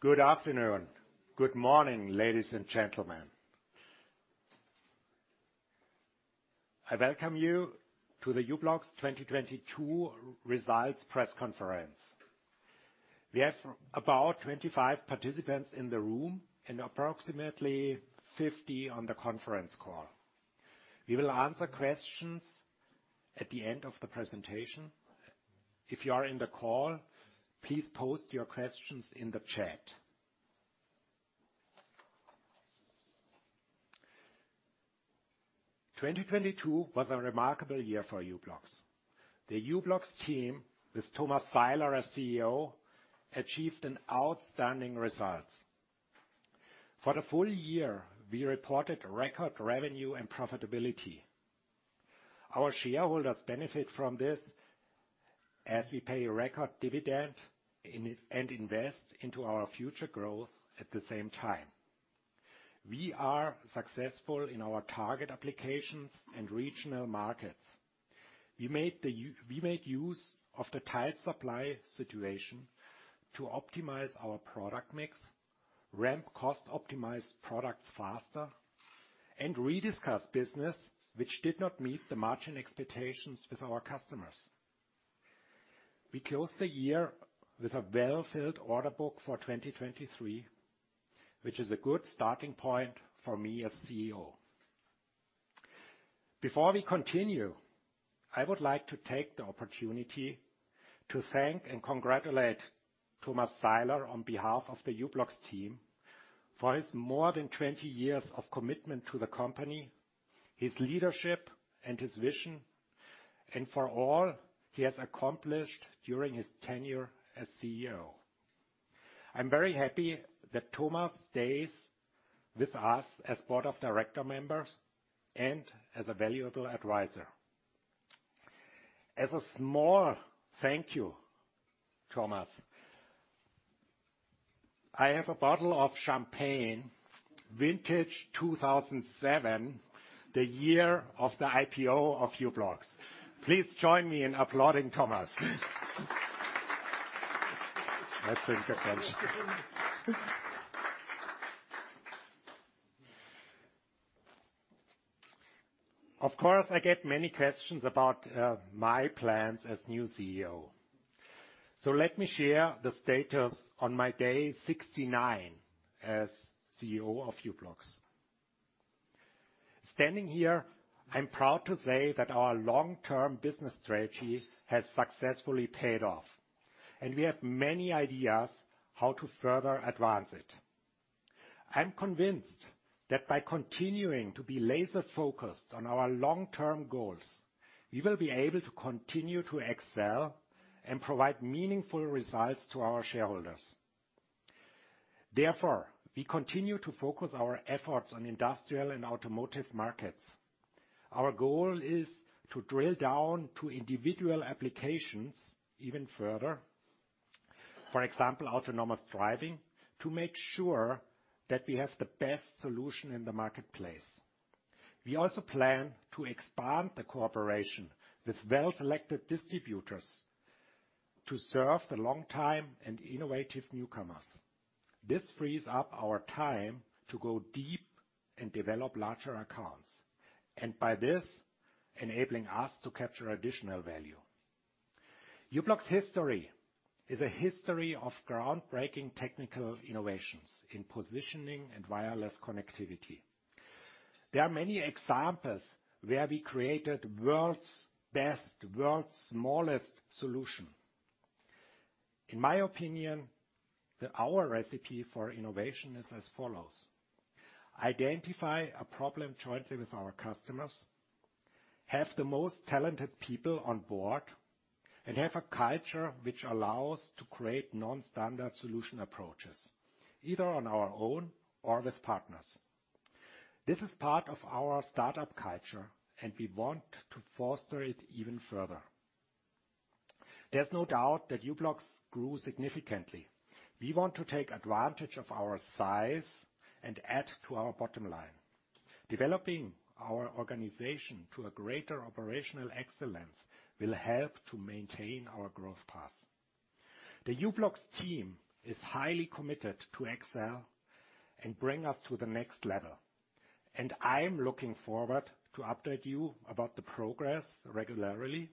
Good afternoon. Good morning, ladies and gentlemen. I Welcome you to the u-blox 2022 Results Press Conference. We have about 25 participants in the room and approximately 50 on the conference call. We will answer questions at the end of the presentation. If you are in the call, please post your questions in the chat. 2022 was a remarkable year for u-blox. The u-blox team with Thomas Seiler as CEO achieved an outstanding results. For the full year, we reported record revenue and profitability. Our shareholders benefit from this as we pay a record dividend in, and invest into our future growth at the same time. We are successful in our target applications and regional markets. We made use of the tight supply situation to optimize our product mix, ramp cost optimized products faster, and rediscuss business which did not meet the margin expectations with our customers. We closed the year with a well-filled order book for 2023, which is a good starting point for me as CEO. Before we continue, I would like to take the opportunity to thank and congratulate Thomas Seiler on behalf of the u-blox team for his more than 20 years of commitment to the company, his leadership and his vision, and for all he has accomplished during his tenure as CEO. I'm very happy that Thomas stays with us as Board of Director members and as a valuable advisor. As a small thank you, Thomas, I have a bottle of champagne, Vintage 2007, the year of the IPO of u-blox. Please join me in applauding Thomas. Let's drink a toast. Of course, I get many questions about my plans as new CEO. Let me share the status on my day 69 as CEO of u-blox. Standing here, I'm proud to say that our long-term business strategy has successfully paid off, and we have many ideas how to further advance it. I'm convinced that by continuing to be laser-focused on our long-term goals, we will be able to continue to excel and provide meaningful results to our shareholders. Therefore, we continue to focus our efforts on Industrial and Automotive markets. Our goal is to drill down to individual applications even further, for example, autonomous driving, to make sure that we have the best solution in the marketplace. We also plan to expand the cooperation with well-selected distributors to serve the long time and innovative newcomers. This frees up our time to go deep and develop larger accounts, and by this, enabling us to capture additional value. u-blox history is a history of groundbreaking technical innovations in positioning and wireless connectivity. There are many examples where we created world's best, world's smallest solution. In my opinion, our recipe for innovation is as follows: identify a problem jointly with our customers, have the most talented people on board, and have a culture which allows to create non-standard solution approaches, either on our own or with partners. This is part of our startup culture, and we want to foster it even further. There's no doubt that u-blox grew significantly. We want to take advantage of our size and add to our bottom line. Developing our organization to a greater operational excellence will help to maintain our growth path. The u-blox team is highly committed to excel and bring us to the next level, and I'm looking forward to update you about the progress regularly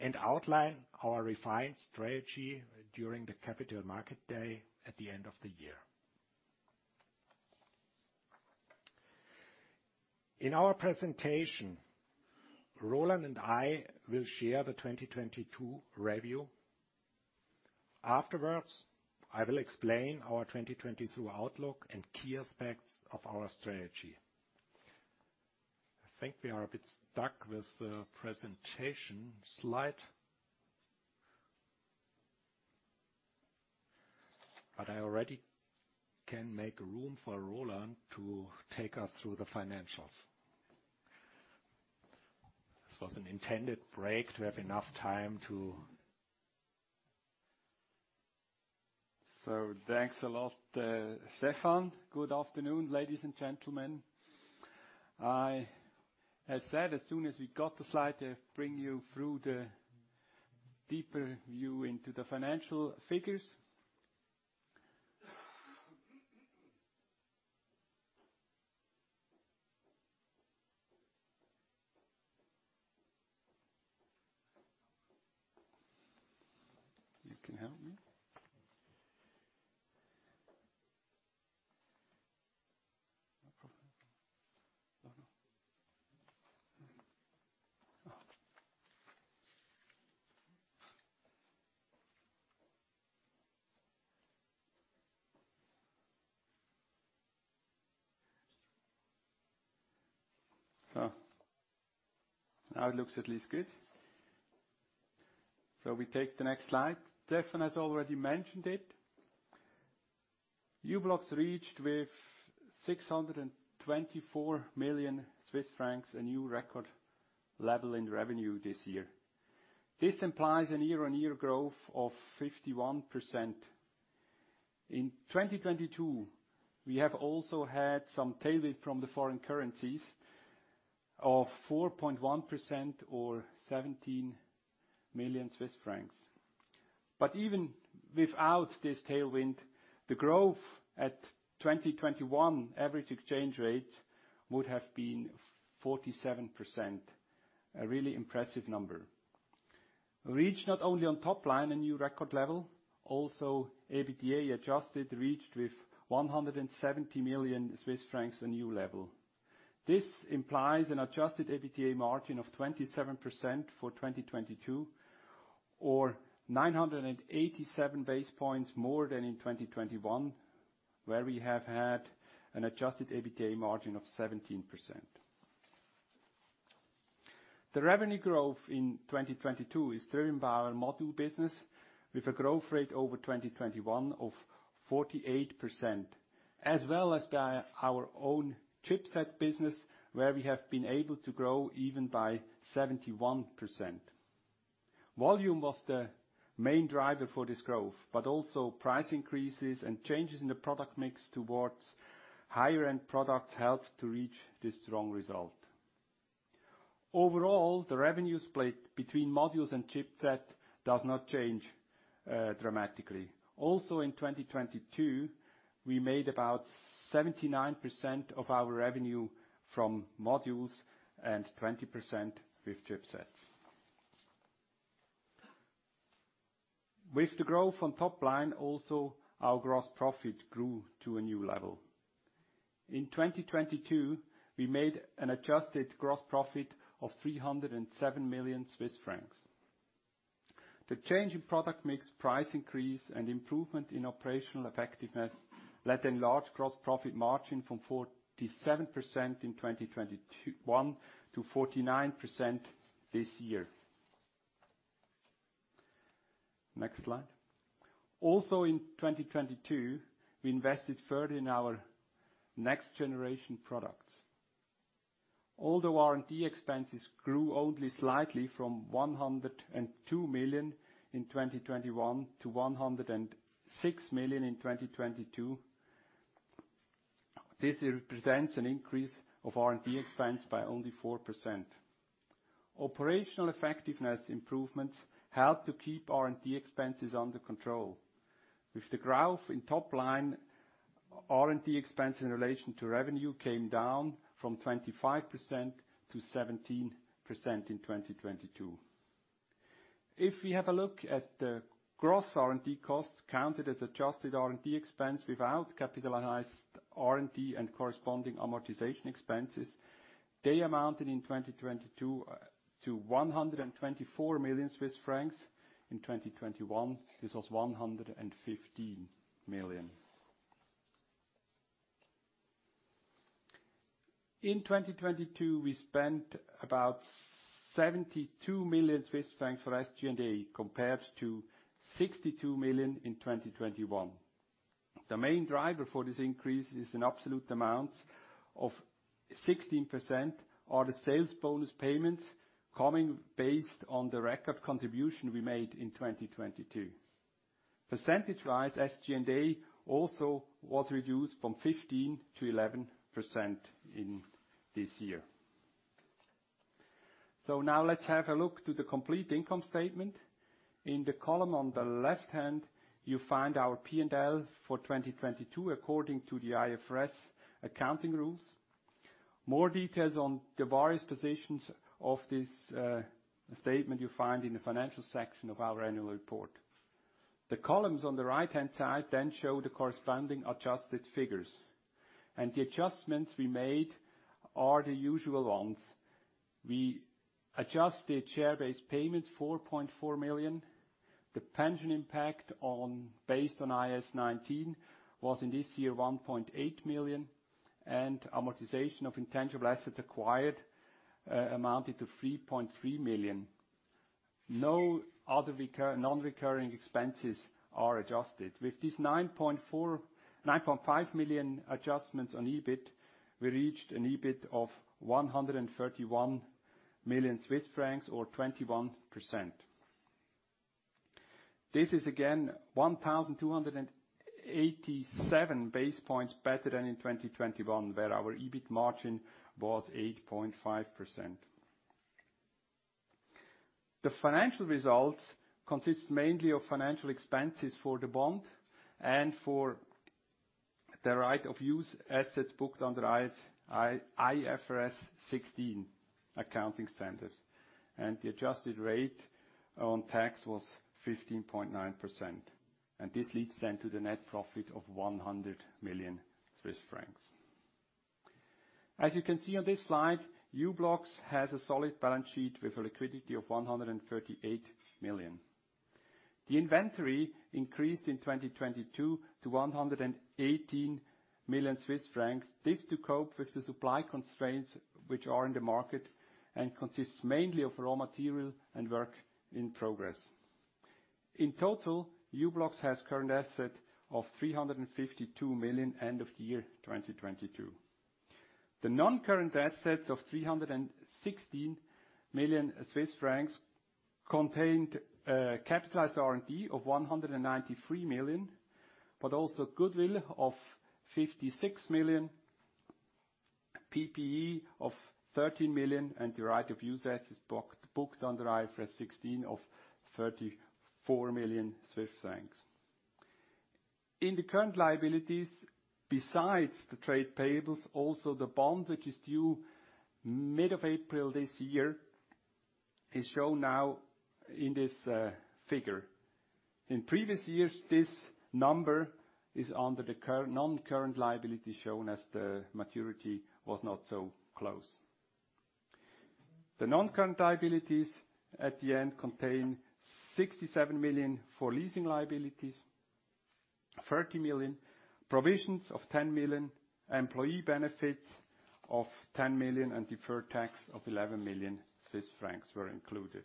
and outline our refined strategy during the Capital Markets Day at the end of the year. In our presentation, Roland and I will share the 2022 review. Afterwards, I will explain our 2022 outlook and key aspects of our strategy. I think we are a bit stuck with the presentation slide, but I already can make room for Roland to take us through the financials. This was an intended break to have enough time. Thanks a lot, Stephan. Good afternoon, ladies and gentlemen. I have said as soon as we got the slide to bring you through the deeper view into the financial figures. You can help me? No problem. Now it looks at least good. We take the next slide. Stephan has already mentioned it. u-blox reached with 624 million Swiss francs, a new record level in revenue this year. This implies a year-on-year growth of 51%. In 2022, we have also had some tailwind from the foreign currencies of 4.1% or 17 million Swiss francs. Even without this tailwind, the growth at 2021 average exchange rates would have been 47%, a really impressive number. Reached not only on top line, a new record level, also EBITDA adjusted, reached with 170 million Swiss francs, a new level. This implies an adjusted EBITDA margin of 27% for 2022 or 987 basis points more than in 2021, where we have had an adjusted EBITDA margin of 17%. The revenue growth in 2022 is driven by our module business, with a growth rate over 2021 of 48%, as well as by our own chipset business, where we have been able to grow even by 71%. Volume was the main driver for this growth, but also price increases and changes in the product mix towards higher end products helped to reach this strong result. Overall, the revenue split between modules and chipset does not change dramatically. In 2022, we made about 79% of our revenue from modules and 20% with chipsets. With the growth on top line, also, our gross profit grew to a new level. In 2022, we made an adjusted gross profit of 307 million Swiss francs. The change in product mix, price increase, and improvement in operational effectiveness led enlarged gross profit margin from 47% in 2021 to 49% this year. Next slide. In 2022, we invested further in our next generation products. Although R&D expenses grew only slightly from 102 million in 2021 to 106 million in 2022, this represents an increase of R&D expense by only 4%. Operational effectiveness improvements help to keep R&D expenses under control. With the growth in top line, R&D expense in relation to revenue came down from 25%-17% in 2022. If we have a look at the gross R&D costs counted as adjusted R&D expense without capitalized R&D and corresponding amortization expenses, they amounted in 2022 to 124 million Swiss francs. In 2021, this was 115 million. In 2022, we spent about 72 million Swiss francs for SG&A, compared to 62 million in 2021. The main driver for this increase is an absolute amount of 16% are the sales bonus payments coming based on the record contribution we made in 2022. %-wise, SG&A also was reduced from 15%-11% in this year. Now let's have a look to the complete income statement. In the column on the left hand, you find our P&L for 2022 according to the IFRS accounting rules. More details on the various positions of this statement you find in the financial section of our annual report. The columns on the right-hand side show the corresponding adjusted figures. The adjustments we made are the usual ones. We adjusted share-based payments, 4.4 million. The pension impact on, based on IAS 19 was in this year 1.8 million, amortization of intangible assets acquired amounted to 3.3 million. No other non-recurring expenses are adjusted. With these 9.4-9.5 million adjustments on EBIT, we reached an EBIT of 131 million Swiss francs or 21%. This is again 1,287 base points better than in 2021, where our EBIT margin was 8.5%. The financial results consists mainly of financial expenses for the bond and for the right of use assets booked under IFRS 16 accounting standards. The adjusted rate on tax was 15.9%. This leads then to the net profit of 100 million Swiss francs. As you can see on this slide, u-blox has a solid balance sheet with a liquidity of 138 million. The inventory increased in 2022 to 118 million Swiss francs. This to cope with the supply constraints which are in the market and consists mainly of raw material and work in progress. In total, u-blox has current asset of 352 million end of year 2022. The non-current assets of 316 million Swiss francs contained capitalized R&D of 193 million, but also goodwill of 56 million, PPE of 13 million, and the right of use assets booked under IFRS 16 of 34 million. In the current liabilities, besides the trade payables, also the bond which is due mid of April this year is shown now in this figure. In previous years, this number is under the current, non-current liability shown as the maturity was not so close. The non-current liabilities at the end contain 67 million for leasing liabilities, 30 million, provisions of 10 million, employee benefits of 10 million, and deferred tax of 11 million Swiss francs were included.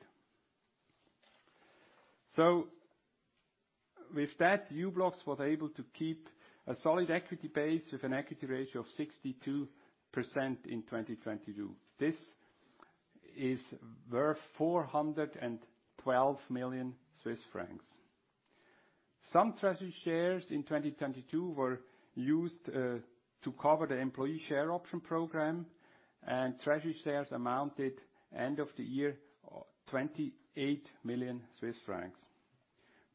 With that, u-blox was able to keep a solid equity base with an equity ratio of 62% in 2022. This is worth CHF 412 million. Some treasury shares in 2022 were used to cover the Employee Share Option program. Treasury shares amounted end of the year 28 million Swiss francs.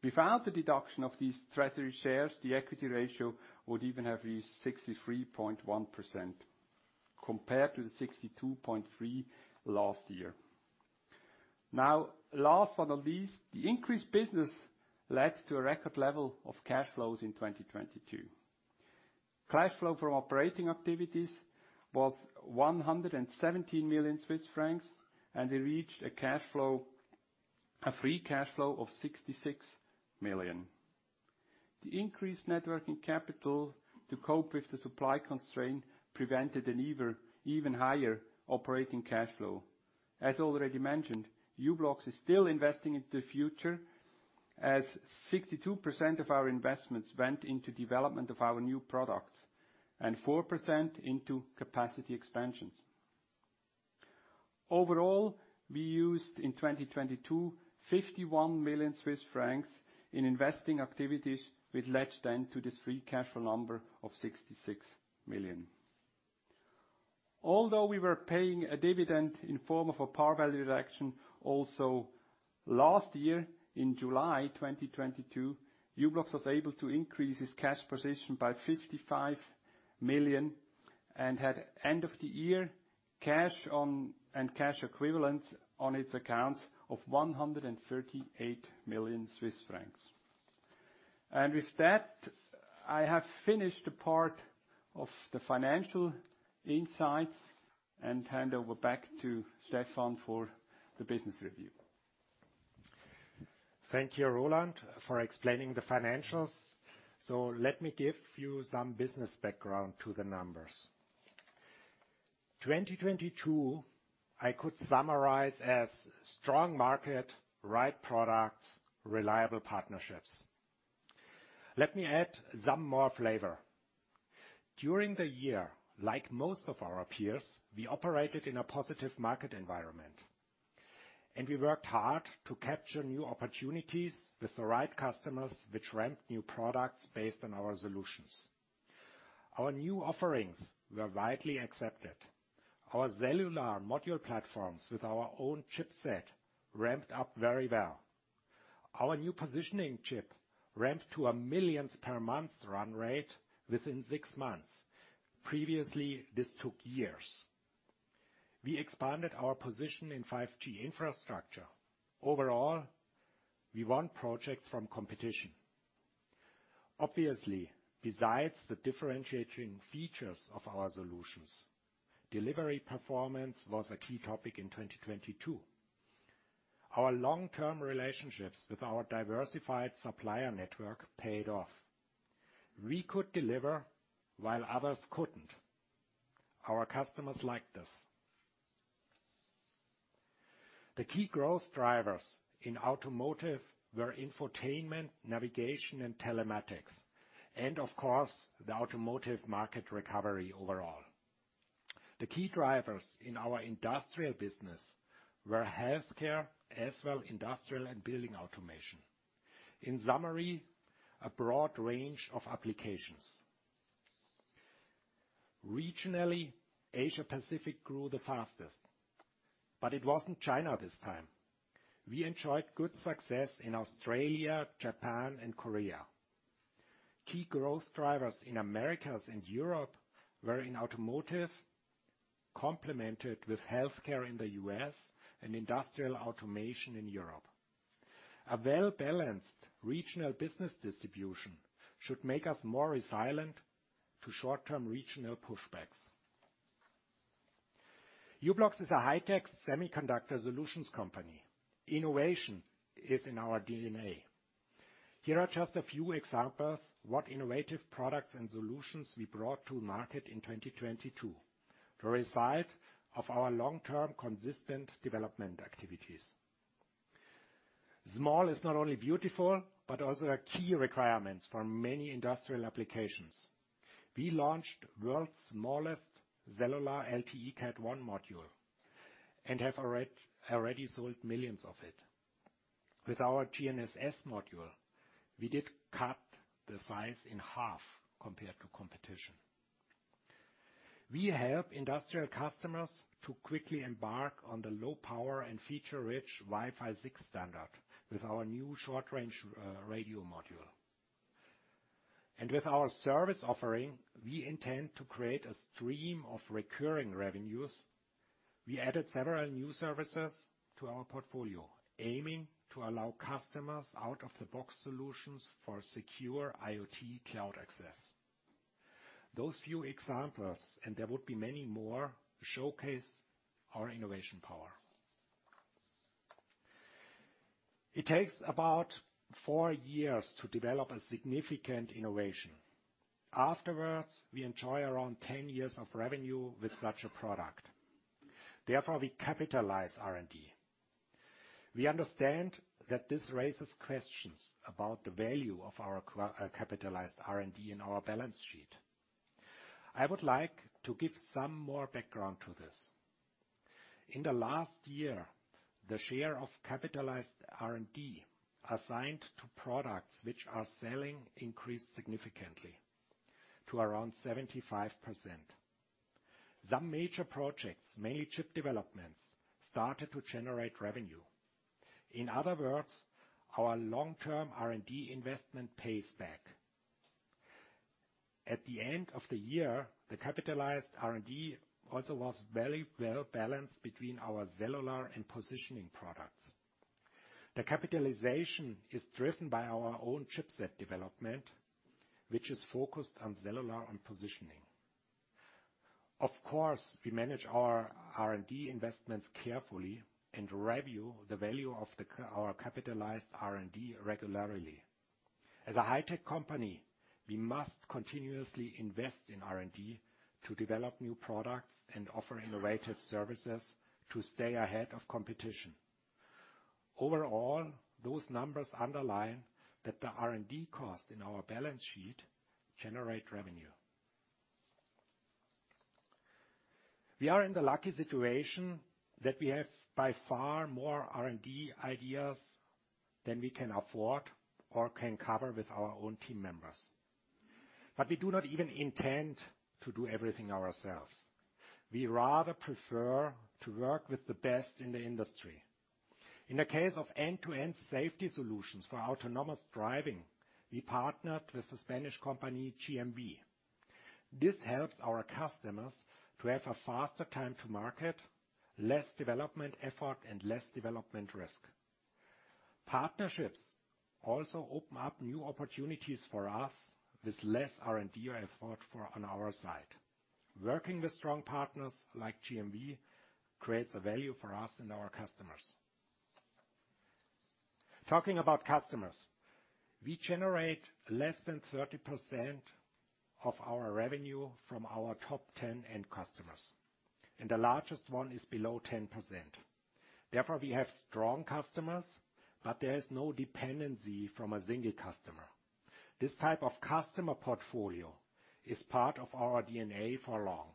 Without the deduction of these treasury shares, the equity ratio would even have reached 63.1% compared to the 62.3% last year. Last but not least, the increased business led to a record level of cash flows in 2022. Cash flow from operating activities was 117 million Swiss francs. We reached a free cash flow of 66 million. The increased net working capital to cope with the supply constraint prevented an ever even higher operating cash flow. As already mentioned, u-blox is still investing into the future as 62% of our investments went into development of our new products and 4% into capacity expansions. Overall, we used in 2022 51 million Swiss francs in investing activities, which led then to this free cash flow number of 66 million. Although we were paying a dividend in form of a par value reduction also last year, in July 2022, u-blox was able to increase its cash position by 55 million and had end of the year cash on, and cash equivalents on its accounts of 138 million Swiss francs. With that, I have finished the part of the financial insights and hand over back to Stephan for the business review. Thank you, Roland, for explaining the financials. Let me give you some business background to the numbers. 2022 I could summarize as strong market, right products, reliable partnerships. Let me add some more flavor. During the year, like most of our peers, we operated in a positive market environment, and we worked hard to capture new opportunities with the right customers which ramped new products based on our solutions. Our new offerings were widely accepted. Our cellular module platforms with our own chipset ramped up very well. Our new positioning chip ramped to a millions per month run rate within six months. Previously, this took years. We expanded our position in 5G infrastructure. Overall, we won projects from competition. Obviously, besides the differentiating features of our solutions, delivery performance was a key topic in 2022. Our long-term relationships with our diversified supplier network paid off. We could deliver while others couldn't. Our customers like this. The key growth drivers in Automotive were infotainment, navigation, and telematics and of course, the Automotive market recovery overall. The key drivers in our Industrial business were healthcare, as well Industrial and building automation. In summary, a broad range of applications. Regionally, Asia Pacific grew the fastest, but it wasn't China this time. We enjoyed good success in Australia, Japan and Korea. Key growth drivers in Americas and Europe were in Automotive, complemented with healthcare in the U.S. and Industrial automation in Europe. A well-balanced regional business distribution should make us more resilient to short-term regional pushbacks. u-blox is a high-tech semiconductor solutions company. Innovation is in our DNA. Here are just a few examples what innovative products and solutions we brought to market in 2022, the result of our long-term consistent development activities. Small is not only beautiful, but also a key requirements for many Industrial applications. We launched world's smallest cellular LTE Cat 1 module, have already sold millions of it. With our GNSS module, we did cut the size in half compared to competition. We help Industrial customers to quickly embark on the low power and feature-rich Wi-Fi 6 standard with our new short-range radio module. With our service offering, we intend to create a stream of recurring revenues. We added several new services to our portfolio, aiming to allow customers out-of-the-box solutions for secure IoT cloud access. Those few examples, and there would be many more, showcase our innovation power. It takes about four years to develop a significant innovation. Afterwards, we enjoy around 10 years of revenue with such a product. Therefore, we capitalize R&D. We understand that this raises questions about the value of our capitalized R&D in our balance sheet. I would like to give some more background to this. In the last year, the share of capitalized R&D assigned to products which are selling increased significantly to around 75%. Some major projects, major developments, started to generate revenue. In other words, our long-term R&D investment pays back. At the end of the year, the capitalized R&D also was very well-balanced between our cellular and positioning products. The capitalization is driven by our own chipset development, which is focused on cellular and positioning. We manage our R&D investments carefully and review the value of our capitalized R&D regularly. As a high-tech company, we must continuously invest in R&D to develop new products and offer innovative services to stay ahead of competition. Overall, those numbers underline that the R&D cost in our balance sheet generate revenue. We are in the lucky situation that we have, by far, more R&D ideas than we can afford or can cover with our own team members. We do not even intend to do everything ourselves. We rather prefer to work with the best in the industry. In the case of end-to-end safety solutions for autonomous driving, we partnered with the Spanish company, GMV. This helps our customers to have a faster time to market, less development effort, and less development risk. Partnerships also open up new opportunities for us with less R&D effort for on our side. Working with strong partners like GMV creates a value for us and our customers. Talking about customers, we generate less than 30% of our revenue from our top 10 end customers, and the largest one is below 10%. We have strong customers, but there is no dependency from a single customer. This type of customer portfolio is part of our DNA for long.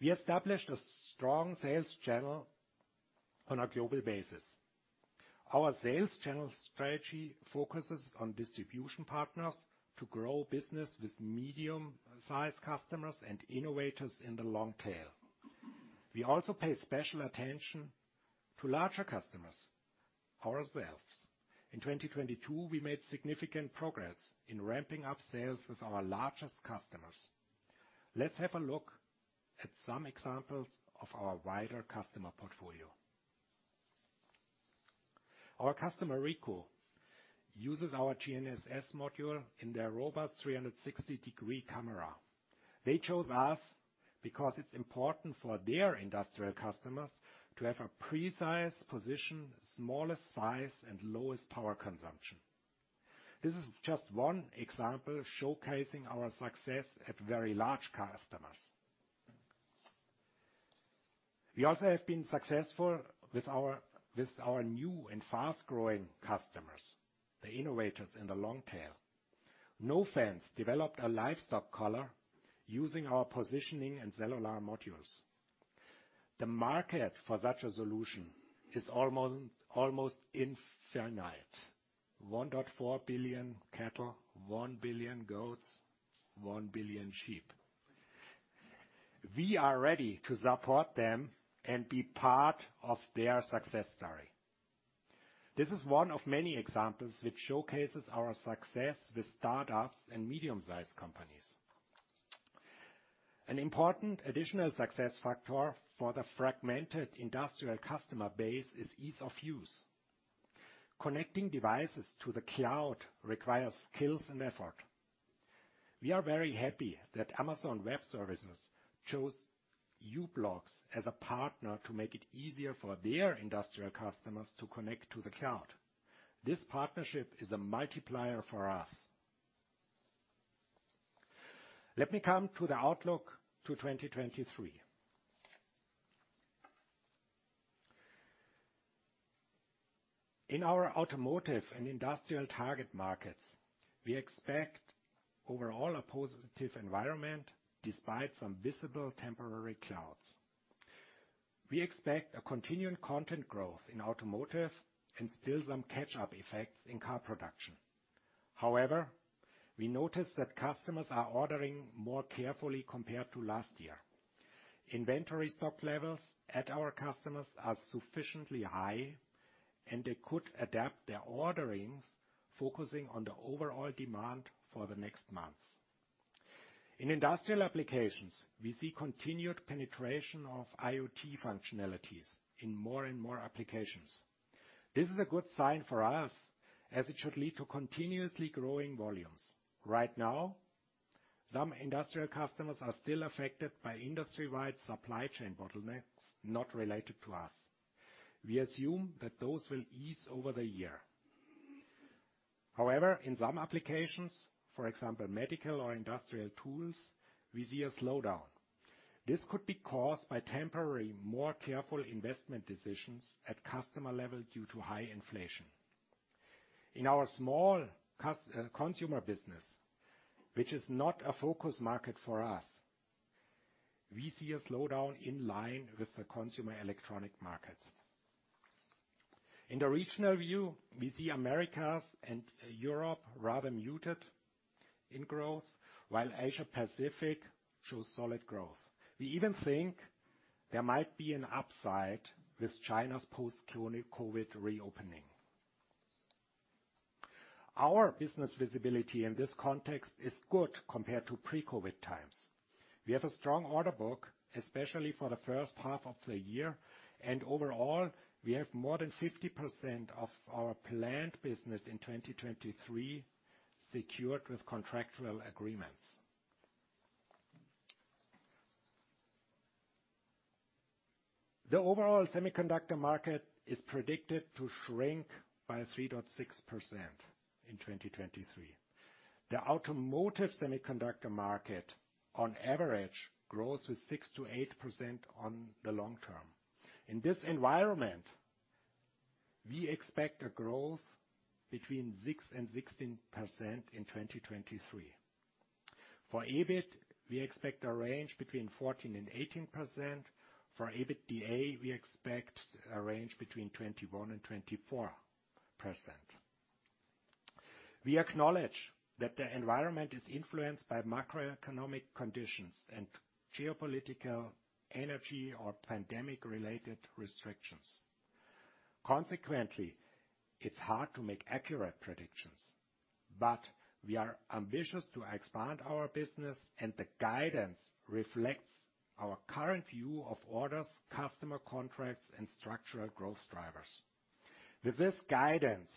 We established a strong sales channel on a global basis. Our sales channel strategy focuses on distribution partners to grow business with medium-sized customers and innovators in the long tail. We also pay special attention to larger customers ourselves. In 2022, we made significant progress in ramping up sales with our largest customers. Let's have a look at some examples of our wider customer portfolio. Our customer, Ricoh, uses our GNSS module in their robust 360 degree camera. They chose us because it's important for their Industrial customers to have a precise position, smallest size, and lowest power consumption. This is just one example showcasing our success at very large customers. We also have been successful with our new and fast-growing customers, the innovators in the long tail. Nofence developed a livestock collar using our positioning and cellular modules. The market for such a solution is almost infinite. 1.4 billion cattle, 1 billion goats, 1 billion sheep. We are ready to support them and be part of their success story. This is one of many examples which showcases our success with startups and medium-sized companies. An important additional success factor for the fragmented Industrial customer base is ease of use. Connecting devices to the cloud requires skills and effort. We are very happy that Amazon Web Services chose u-blox as a partner to make it easier for their Industrial customers to connect to the Cloud. This partnership is a multiplier for us. Let me come to the outlook to 2023. In our Automotive and Industrial target markets, we expect overall a positive environment despite some visible temporary clouds. We expect a continuing content growth in Automotive and still some catch-up effects in car production. However, we noticed that customers are ordering more carefully compared to last year. Inventory stock levels at our customers are sufficiently high, and they could adapt their orderings focusing on the overall demand for the next months. In Industrial applications, we see continued penetration of IoT functionalities in more and more applications. This is a good sign for us as it should lead to continuously growing volumes. Right now, some Industrial customers are still affected by industry-wide supply chain bottlenecks not related to us. We assume that those will ease over the year. In some applications, for example, medical or Industrial tools, we see a slowdown. This could be caused by temporary, more careful investment decisions at customer level due to high inflation. In our small consumer business, which is not a focus market for us, we see a slowdown in line with the consumer electronic markets. In the regional view, we see Americas and Europe rather muted in growth while Asia Pacific shows solid growth. We even think there might be an upside with China's post-COVID reopening. Our business visibility in this context is good compared to pre-COVID times. We have a strong order book, especially for the first half of the year, and overall, we have more than 50% of our planned business in 2023 secured with contractual agreements. The overall semiconductor market is predicted to shrink by 3.6% in 2023. The Automotive semiconductor market on average grows with 6%-8% on the long term. In this environment, we expect a growth between 6% and 16% in 2023. For EBIT, we expect a range between 14% and 18%. For EBITDA, we expect a range between 21% and 24%. We acknowledge that the environment is influenced by macroeconomic conditions and geopolitical energy or pandemic-related restrictions. Consequently, it's hard to make accurate predictions, but we are ambitious to expand our business, and the guidance reflects our current view of orders, customer contracts, and structural growth drivers. With this guidance,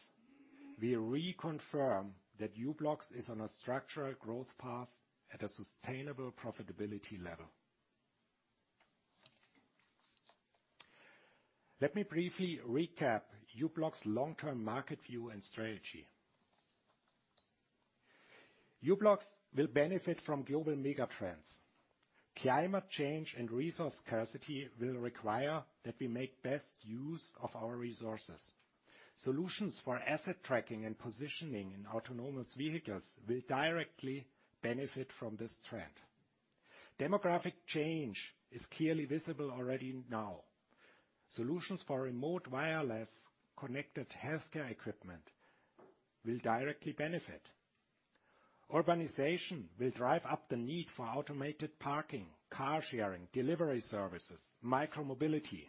we reconfirm that u-blox is on a structural growth path at a sustainable profitability level. Let me briefly recap u-blox's long-term market view and strategy. u-blox will benefit from global megatrends. Climate change and resource scarcity will require that we make best use of our resources. Solutions for asset tracking and positioning in autonomous vehicles will directly benefit from this trend. Demographic change is clearly visible already now. Solutions for remote wireless-connected healthcare equipment will directly benefit. Urbanization will drive up the need for automated parking, car sharing, delivery services, micro-mobility.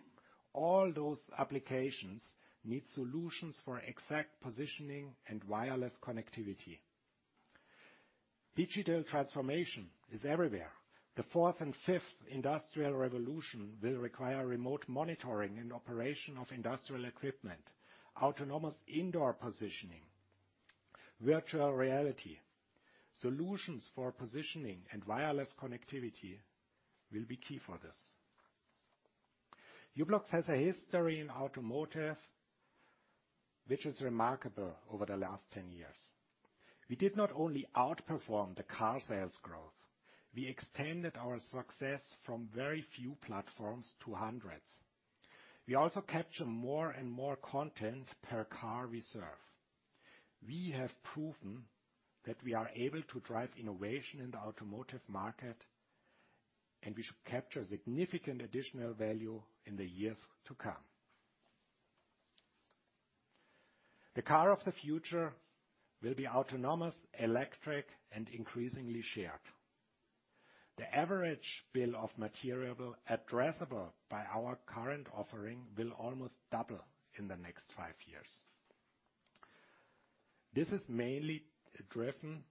All those applications need solutions for exact positioning and wireless connectivity. Digital transformation is everywhere. The fourth and fifth Industrial revolution will require remote monitoring and operation of Industrial equipment, autonomous indoor positioning, virtual reality. Solutions for positioning and wireless connectivity will be key for this. u-blox has a history in Automotive. Which is remarkable over the last 10 years. We did not only outperform the car sales growth, we extended our success from very few platforms to 100s. We also capture more and more content per car reserve. We have proven that we are able to drive innovation in the Automotive market, and we should capture significant additional value in the years to come. The car of the future will be autonomous, electric, and increasingly shared. The average bill of material addressable by our current offering will almost double in the next five years. This is mainly driven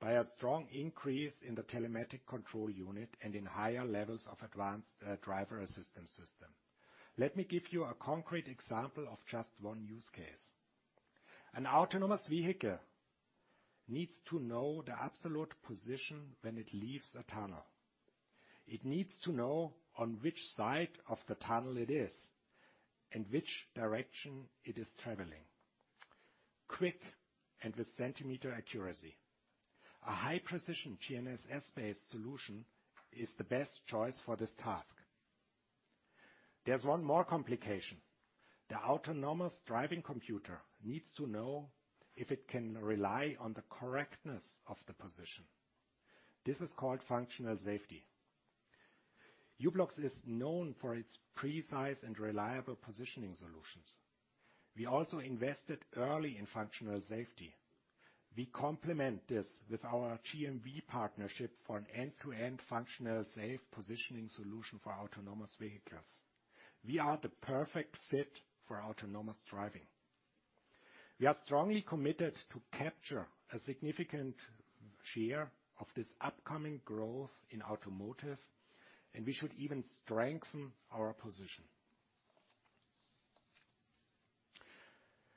by a strong increase in the telematics control unit and in higher levels of advanced driver assistance system. Let me give you a concrete example of just one use case. An autonomous vehicle needs to know the absolute position when it leaves a tunnel. It needs to know on which side of the tunnel it is and which direction it is traveling, quick and with centimeter accuracy. A high precision GNSS-based solution is the best choice for this task. There's one more complication. The autonomous driving computer needs to know if it can rely on the correctness of the position. This is called functional safety. u-blox is known for its precise and reliable positioning solutions. We also invested early in functional safety. We complement this with our GMV partnership for an end-to-end functional safe positioning solution for autonomous vehicles. We are the perfect fit for autonomous driving. We are strongly committed to capture a significant share of this upcoming growth in Automotive, and we should even strengthen our position.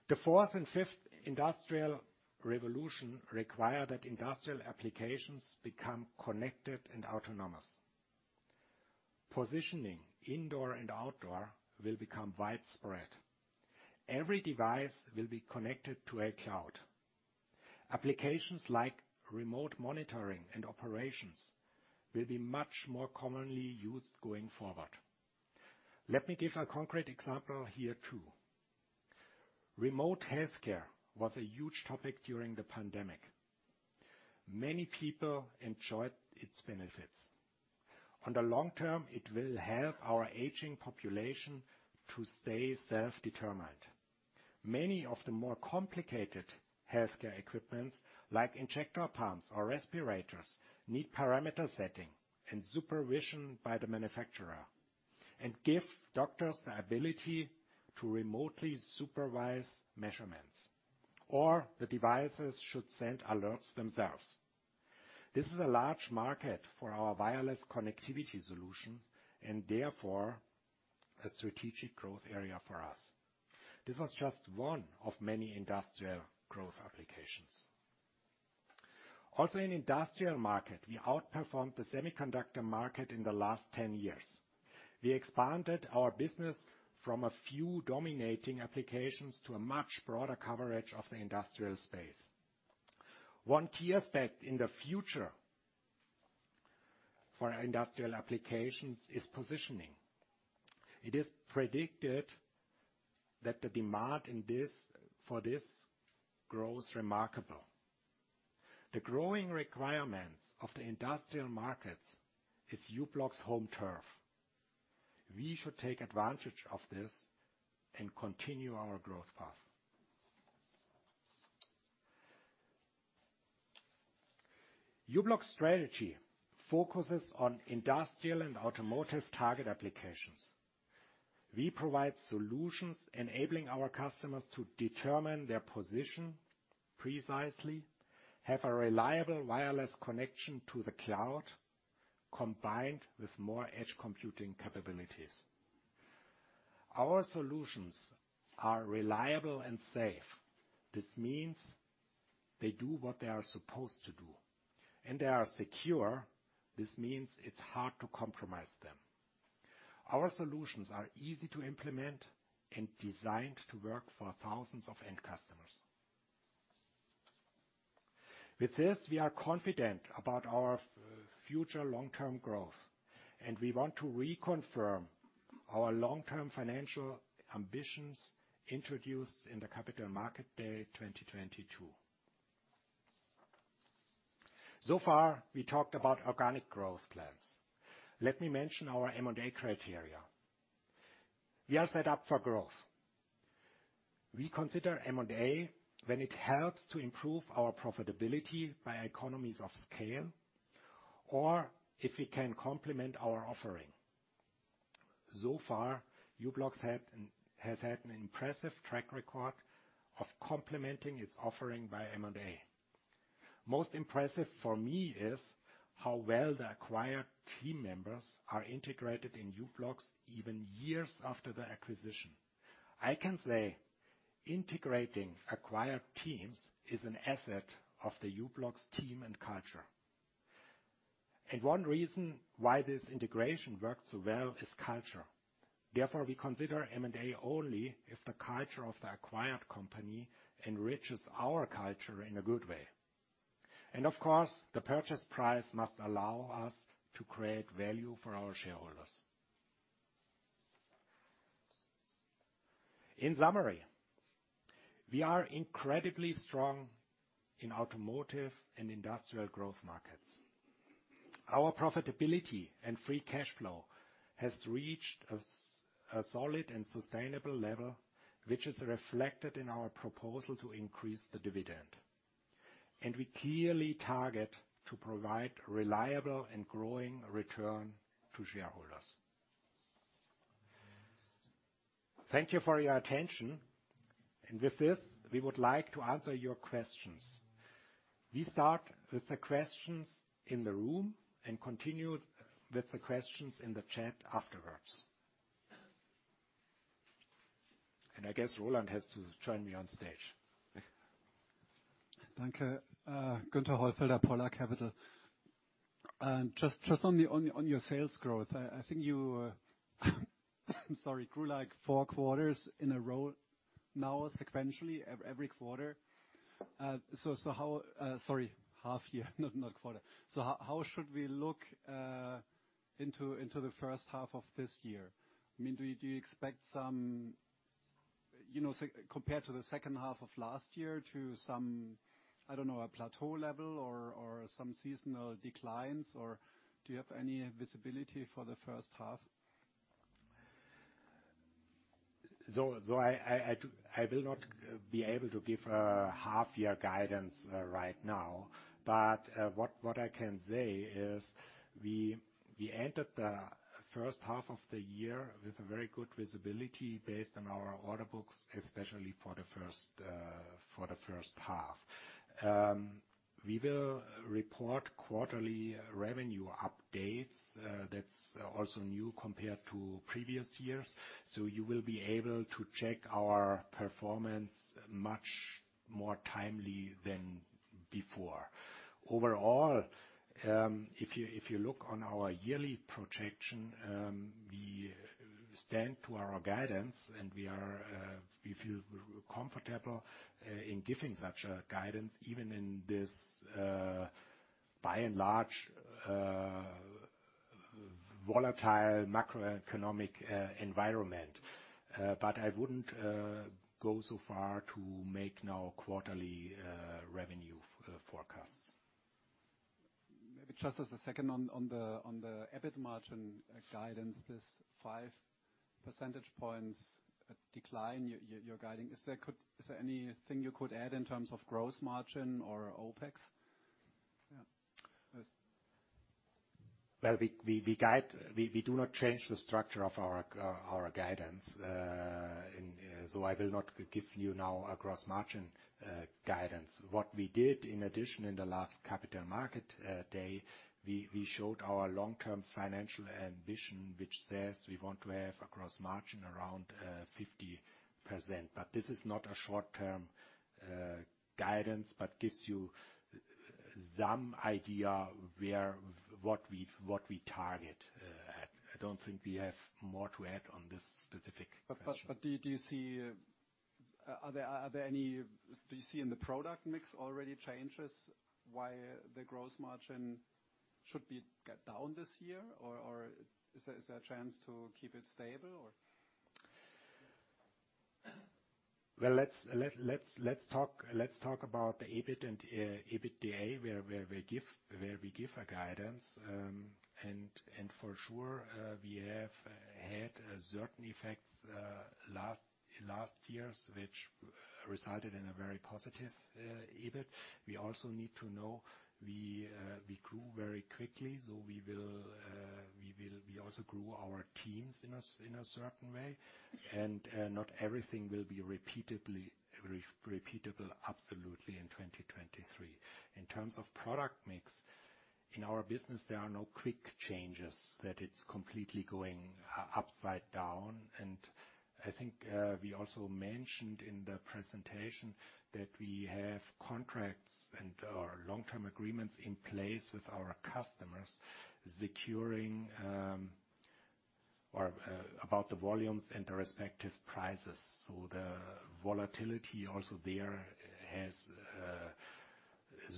The fourth and fifth Industrial revolution require that Industrial applications become connected and autonomous. Positioning indoor and outdoor will become widespread. Every device will be connected to a Cloud. Applications like remote monitoring and operations will be much more commonly used going forward. Let me give a concrete example here too. Remote healthcare was a huge topic during the pandemic. Many people enjoyed its benefits. On the long term, it will help our aging population to stay self-determined. Many of the more complicated healthcare equipment, like injector pumps or respirators, need parameter setting and supervision by the manufacturer, and give doctors the ability to remotely supervise measurements, or the devices should send alerts themselves. This is a large market for our wireless connectivity solution, and therefore a strategic growth area for us. This was just one of many Industrial growth applications. Also, in Industrial market, we outperformed the semiconductor market in the last 10 years. We expanded our business from a few dominating applications to a much broader coverage of the Industrial space. One key aspect in the future for our Industrial applications is positioning. It is predicted that the demand for this grows remarkable. The growing requirements of the Industrial markets is u-blox home turf. We should take advantage of this and continue our growth path. u-blox strategy focuses on Industrial and Automotive target applications. We provide solutions enabling our customers to determine their position precisely, have a reliable wireless connection to the cloud, combined with more edge computing capabilities. Our solutions are reliable and safe. This means they do what they are supposed to do. They are secure, this means it's hard to compromise them. Our solutions are easy to implement and designed to work for 1,000s of end customers. With this, we are confident about our future long-term growth, and we want to reconfirm our long-term financial ambitions introduced in the Capital Markets Day 2022. So far, we talked about organic growth plans. Let me mention our M&A criteria. We are set up for growth. We consider M&A when it helps to improve our profitability by economies of scale, or if it can complement our offering. So far, u-blox has had an impressive track record of complementing its offering by M&A. Most impressive for me is how well the acquired team members are integrated in u-blox even years after the acquisition. I can say integrating acquired teams is an asset of the u-blox team and culture. One reason why this integration works so well is culture. Therefore, we consider M&A only if the culture of the acquired company enriches our culture in a good way. Of course, the purchase price must allow us to create value for our shareholders. In summary, we are incredibly strong in Automotive and Industrial growth markets. Our profitability and free cash flow has reached a solid and sustainable level, which is reflected in our proposal to increase the dividend. We clearly target to provide reliable and growing return to shareholders. Thank you for your attention. With this, we would like to answer your questions. We start with the questions in the room and continue with the questions in the chat afterwards. I guess Roland has to join me on stage. Guenther. Guenther Hollfelder, Polar Capital. Just on the, on your sales growth, I think you, I'm sorry, grew like four quarters in a row now sequentially every quarter. So how... sorry, half year, not quarter. How should we look into the first half of this year? I mean, do you expect some, you know, say, compared to the second half of last year to some, I don't know, a plateau level or some seasonal declines, or do you have any visibility for the first half? I will not be able to give a half-year guidance right now. What I can say is we entered the first half of the year with a very good visibility based on our order books, especially for the first half. We will report quarterly revenue updates. That's also new compared to previous years. You will be able to check our performance much more timely than before. Overall, if you look on our yearly projection, we stand to our guidance and we feel comfortable in giving such a guidance, even in this by and large volatile macroeconomic environment. I wouldn't go so far to make now quarterly revenue forecasts. Maybe just as a second on the, on the EBIT margin guidance, this 5 percentage points decline you're, you're guiding. Is there anything you could add in terms of gross margin or OpEx? Yeah. Well, we do not change the structure of our guidance. I will not give you now a gross margin guidance. What we did in addition in the last Capital Markets Day, we showed our long-term financial ambition, which says we want to have a gross margin around 50%. This is not a short-term guidance, but gives you some idea where, what we target at. I don't think we have more to add on this specific question. Do you see in the product mix already changes why the gross margin should be down this year? Or is there a chance to keep it stable or? Well, let's talk about the EBIT and EBITDA, where we give a guidance. For sure, we have had certain effects last years, which resided in a very positive EBIT. We also need to know we grew very quickly, so we also grew our teams in a certain way, and not everything will be repeatable absolutely in 2023. In terms of product mix, in our business, there are no quick changes that it's completely going upside down. I think we also mentioned in the presentation that we have contracts and/or long-term agreements in place with our customers securing about the volumes and the respective prices. The volatility also there has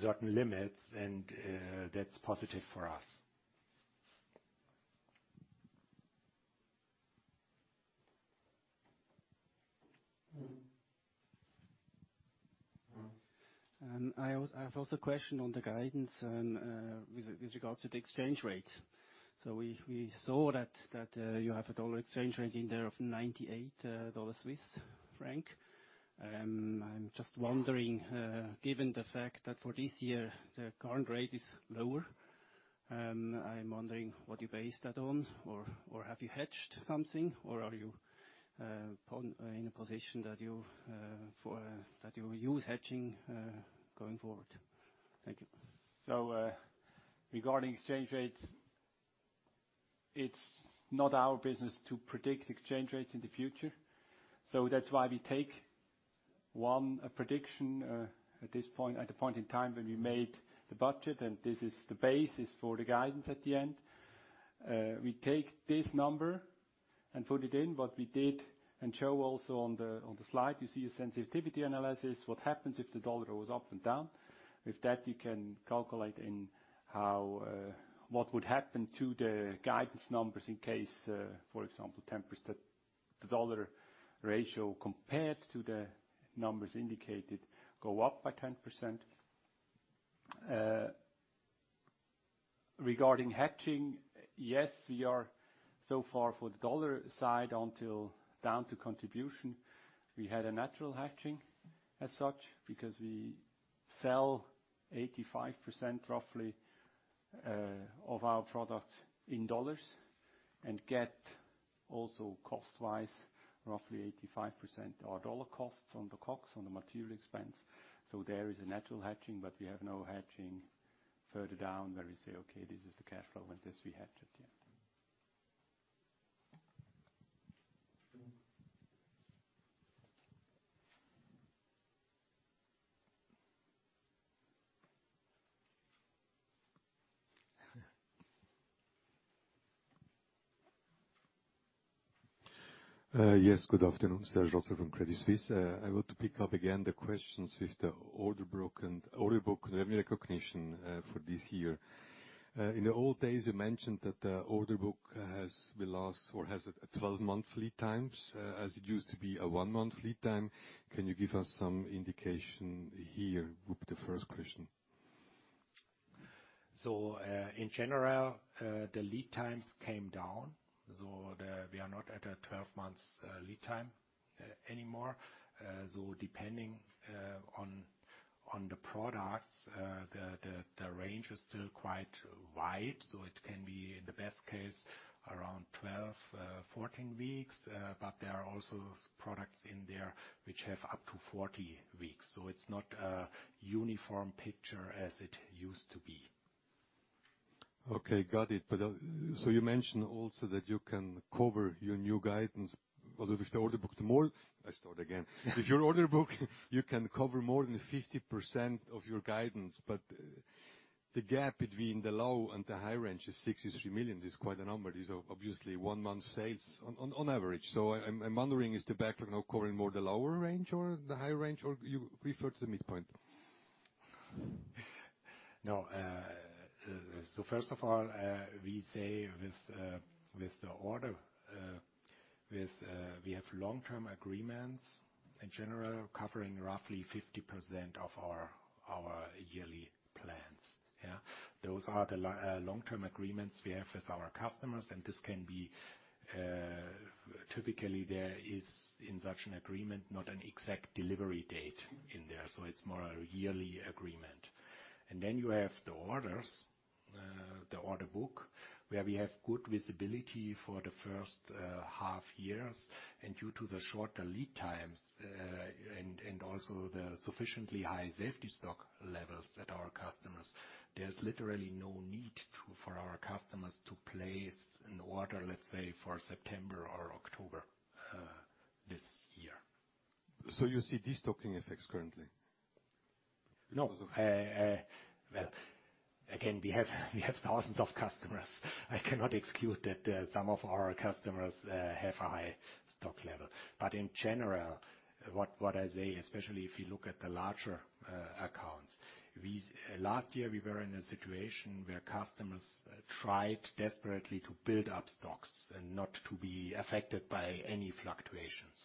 certain limits, and that's positive for us. I have also a question on the guidance, with regards to the exchange rate. We saw that you have a dollar exchange rate in there of 98 dollar Swiss franc. I'm just wondering, given the fact that for this year, the current rate is lower, I'm wondering what you based that on or, have you hedged something or are you in a position that you use hedging going forward? Thank you. Regarding exchange rate. It's not our business to predict exchange rates in the future. That's why we take, one, a prediction at this point, at the point in time when we made the budget, and this is the basis for the guidance at the end. We take this number and put it in what we did and show also on the slide, you see a sensitivity analysis, what happens if the Dollar goes up and down. With that, you can calculate in how what would happen to the guidance numbers in case, for example, 10% the Dollar ratio compared to the numbers indicated go up by 10%. Regarding hedging. Yes, we are so far for the Dollar side until down to contribution. We had a natural hedging as such because we sell 85%, roughly, of our products in dollars and get also cost-wise, roughly 85% our dollar costs on the COGS, on the material expense. There is a natural hedging, but we have no hedging further down where we say, "Okay, this is the cash flow, and this we hedge at the end. Yes. Good afternoon. Serge Rotzer from Credit Suisse. I want to pick up again the questions with the order book revenue recognition for this year. In the old days, you mentioned that the order book belongs or has a 12-month lead times, as it used to be a one-month lead time. Can you give us some indication here? Would be the first question. In general, the lead times came down, we are not at a 12 months lead time anymore. Depending on the products, the range is still quite wide. It can be, in the best case, around 12, 14 weeks. There are also products in there which have up to 40 weeks. It's not a uniform picture as it used to be. Okay, got it. You mentioned also that you can cover your new guidance with the order book. With your order book, you can cover more than 50% of your guidance, the gap between the low and the high range is 63 million, is quite a number. These are obviously one-month sales on average. I'm wondering, is the backlog now covering more the lower range or the high range, or you refer to the midpoint? No. So first of all, we say with the order, we have long-term agreements in general, covering roughly 50% of our yearly plans. Yeah. Those are the long-term agreements we have with our customers, and this can be. Typically, there is in such an agreement, not an exact delivery date in there, so it's more a yearly agreement. Then you have the orders, the order book, where we have good visibility for the first half years, and due to the shorter lead times, and also the sufficiently high safety stock levels at our customers. There's literally no need for our customers to place an order, let's say, for September or October this year. You see destocking effects currently? No. Well, again, we have 1,000s of customers. I cannot exclude that some of our customers have a high stock level. In general, what I say, especially if you look at the larger accounts, Last year, we were in a situation where customers tried desperately to build up stocks and not to be affected by any fluctuations.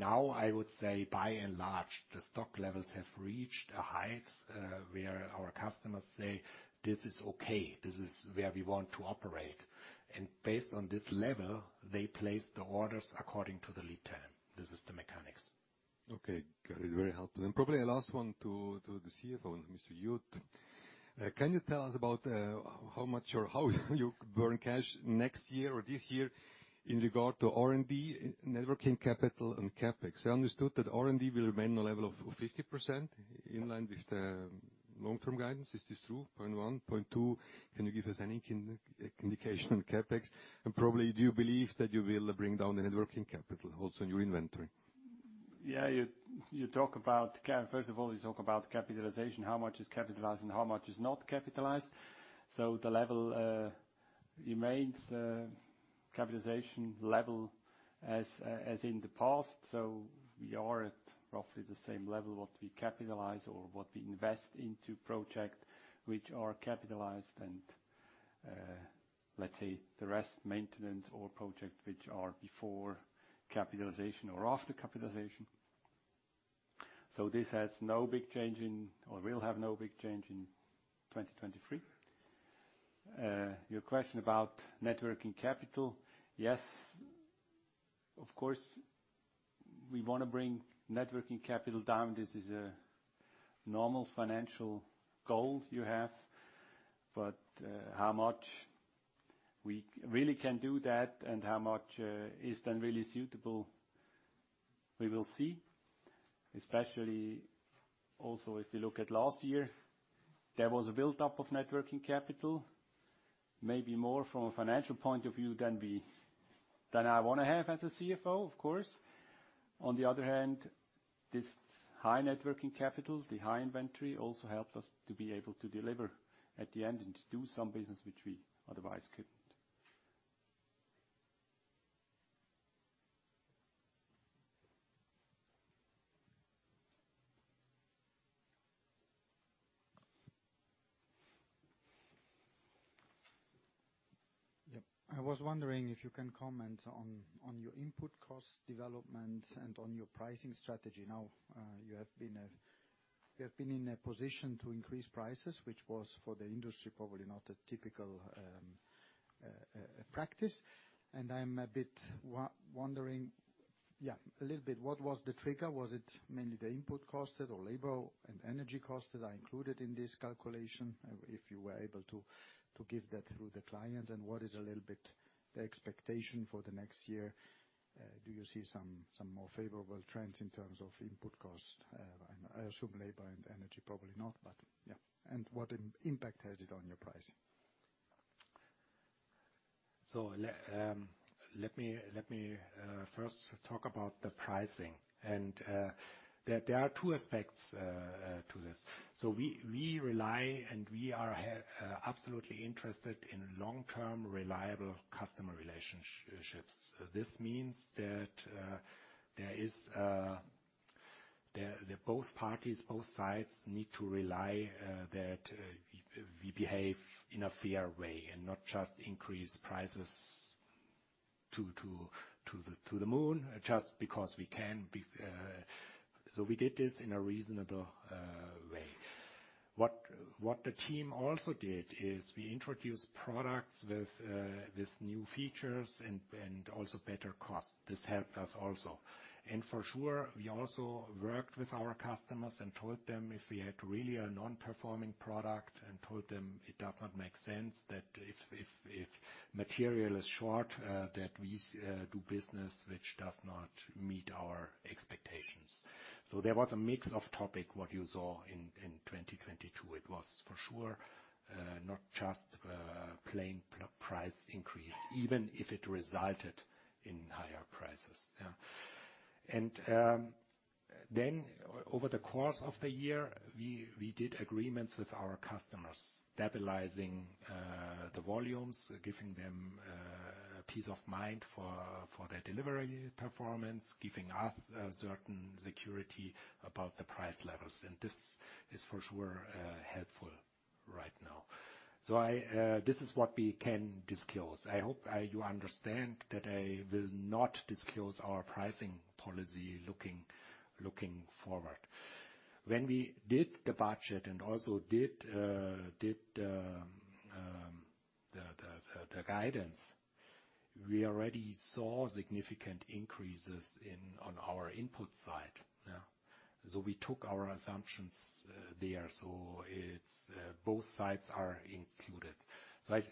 I would say by and large, the stock levels have reached a height where our customers say, "This is okay. This is where we want to operate." Based on this level, they place the orders according to the lead time. This is the mechanics. Okay. Got it. Very helpful. Probably a last one to the CFO, Mr. Jud. Can you tell us about how much or how you burn cash next year or this year in regard to R&D, networking capital and CapEx? I understood that R&D will remain the level of 50% in line with the long-term guidance. Is this true? Point one. Point two, can you give us any indication on CapEx? Probably, do you believe that you will bring down the networking capital also in your inventory? Yeah. You, you talk about first of all, you talk about capitalization, how much is capitalized and how much is not capitalized. The level remains capitalization level as in the past. We are at roughly the same level, what we capitalize or what we invest into project, which are capitalized and, let's say, the rest maintenance or project which are before capitalization or after capitalization. This has no big change in or will have no big change in 2023. Your question about networking capital. Yes, of course, we wanna bring networking capital down. This is a normal financial goal you have. How much we really can do that and how much is then really suitable. We will see. Especially also if you look at last year, there was a build-up of net working capital, maybe more from a financial point of view than we, than I wanna have as a CFO, of course. On the other hand, this high net working capital, the high inventory, also helped us to be able to deliver at the end and to do some business which we otherwise couldn't. Yep. I was wondering if you can comment on your input cost development and on your pricing strategy. Now, you have been in a position to increase prices, which was for the industry probably not a typical practice. I'm a bit wondering, yeah, a little bit, what was the trigger? Was it mainly the input costs or labor and energy costs that are included in this calculation, if you were able to give that through the clients? What is a little bit the expectation for the next year? Do you see some more favorable trends in terms of input costs? I assume labor and energy probably not, but yeah. What impact has it on your pricing? Let me first talk about the pricing and there are two aspects to this. We rely and we are absolutely interested in long-term, reliable customer relationships. This means that there is that both parties, both sides need to rely that we behave in a fair way and not just increase prices to the moon just because we can. We did this in a reasonable way. What the team also did is we introduced products with new features and also better cost. This helped us also. For sure, we also worked with our customers and told them if we had really a non-performing product and told them it does not make sense that if material is short, that we do business which does not meet our expectations. There was a mix of topic, what you saw in 2022. It was for sure, not just plain price increase, even if it resulted in higher prices. Over the course of the year, we did agreements with our customers, stabilizing the volumes, giving them peace of mind for their delivery performance, giving us a certain security about the price levels. This is for sure, helpful right now. I, this is what we can disclose. I hope you understand that I will not disclose our pricing policy looking forward. When we did the budget and also did the guidance, we already saw significant increases in, on our input side. Yeah. We took our assumptions there. It's both sides are included. I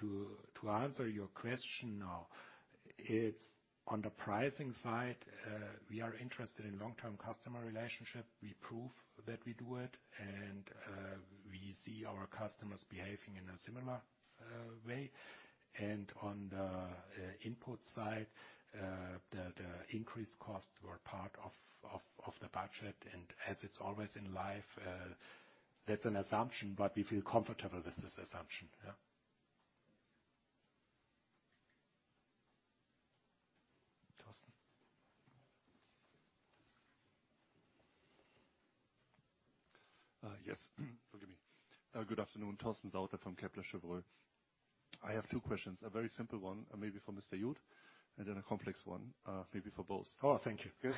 to answer your question now, it's on the pricing side, we are interested in long-term customer relationship. We prove that we do it, and we see our customers behaving in a similar way. On the input side, the increased costs were part of the budget. As it's always in life, that's an assumption, but we feel comfortable with this assumption. Yeah. Torsten. Yes. Forgive me. Good afternoon, Torsten Sauter from Kepler Cheuvreux. I have two questions, a very simple one, maybe for Mr. Jud, and then a complex one, maybe for both. Oh, thank you. Good.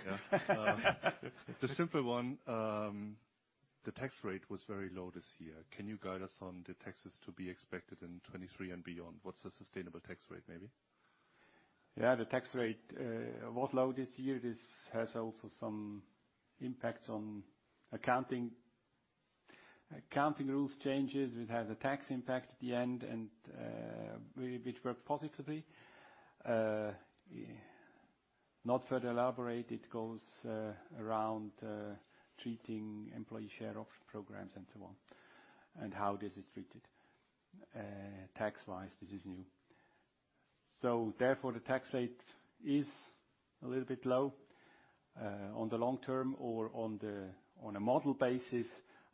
Yeah. The simple one, the tax rate was very low this year. Can you guide us on the taxes to be expected in 2023 and beyond? What's the sustainable tax rate, maybe? Yeah. The tax rate was low this year. This has also some impacts on accounting. Accounting rules changes, which has a tax impact at the end and, which worked positively. Not further elaborated, goes around treating employee share option programs and so on, and how this is treated tax-wise. This is new. Therefore, the tax rate is a little bit low. On the long term or on the, on a model basis,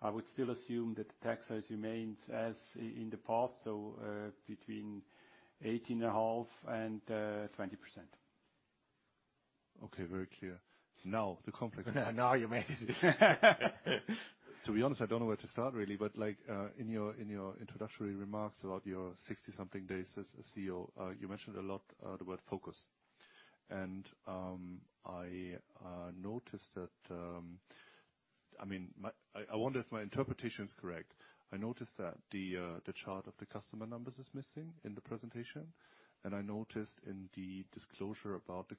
I would still assume that the tax rate remains as in the past, so, between 18.5% and 20%. Okay. Very clear. Now the complex one. Now you made it. To be honest, I don't know where to start, really. Like, in your introductory remarks about your 60 something days as a CEO, you mentioned a lot the word focus. I noticed that. I mean, I wonder if my interpretation is correct. I noticed that the chart of the customer numbers is missing in the presentation, and I noticed in the disclosure about the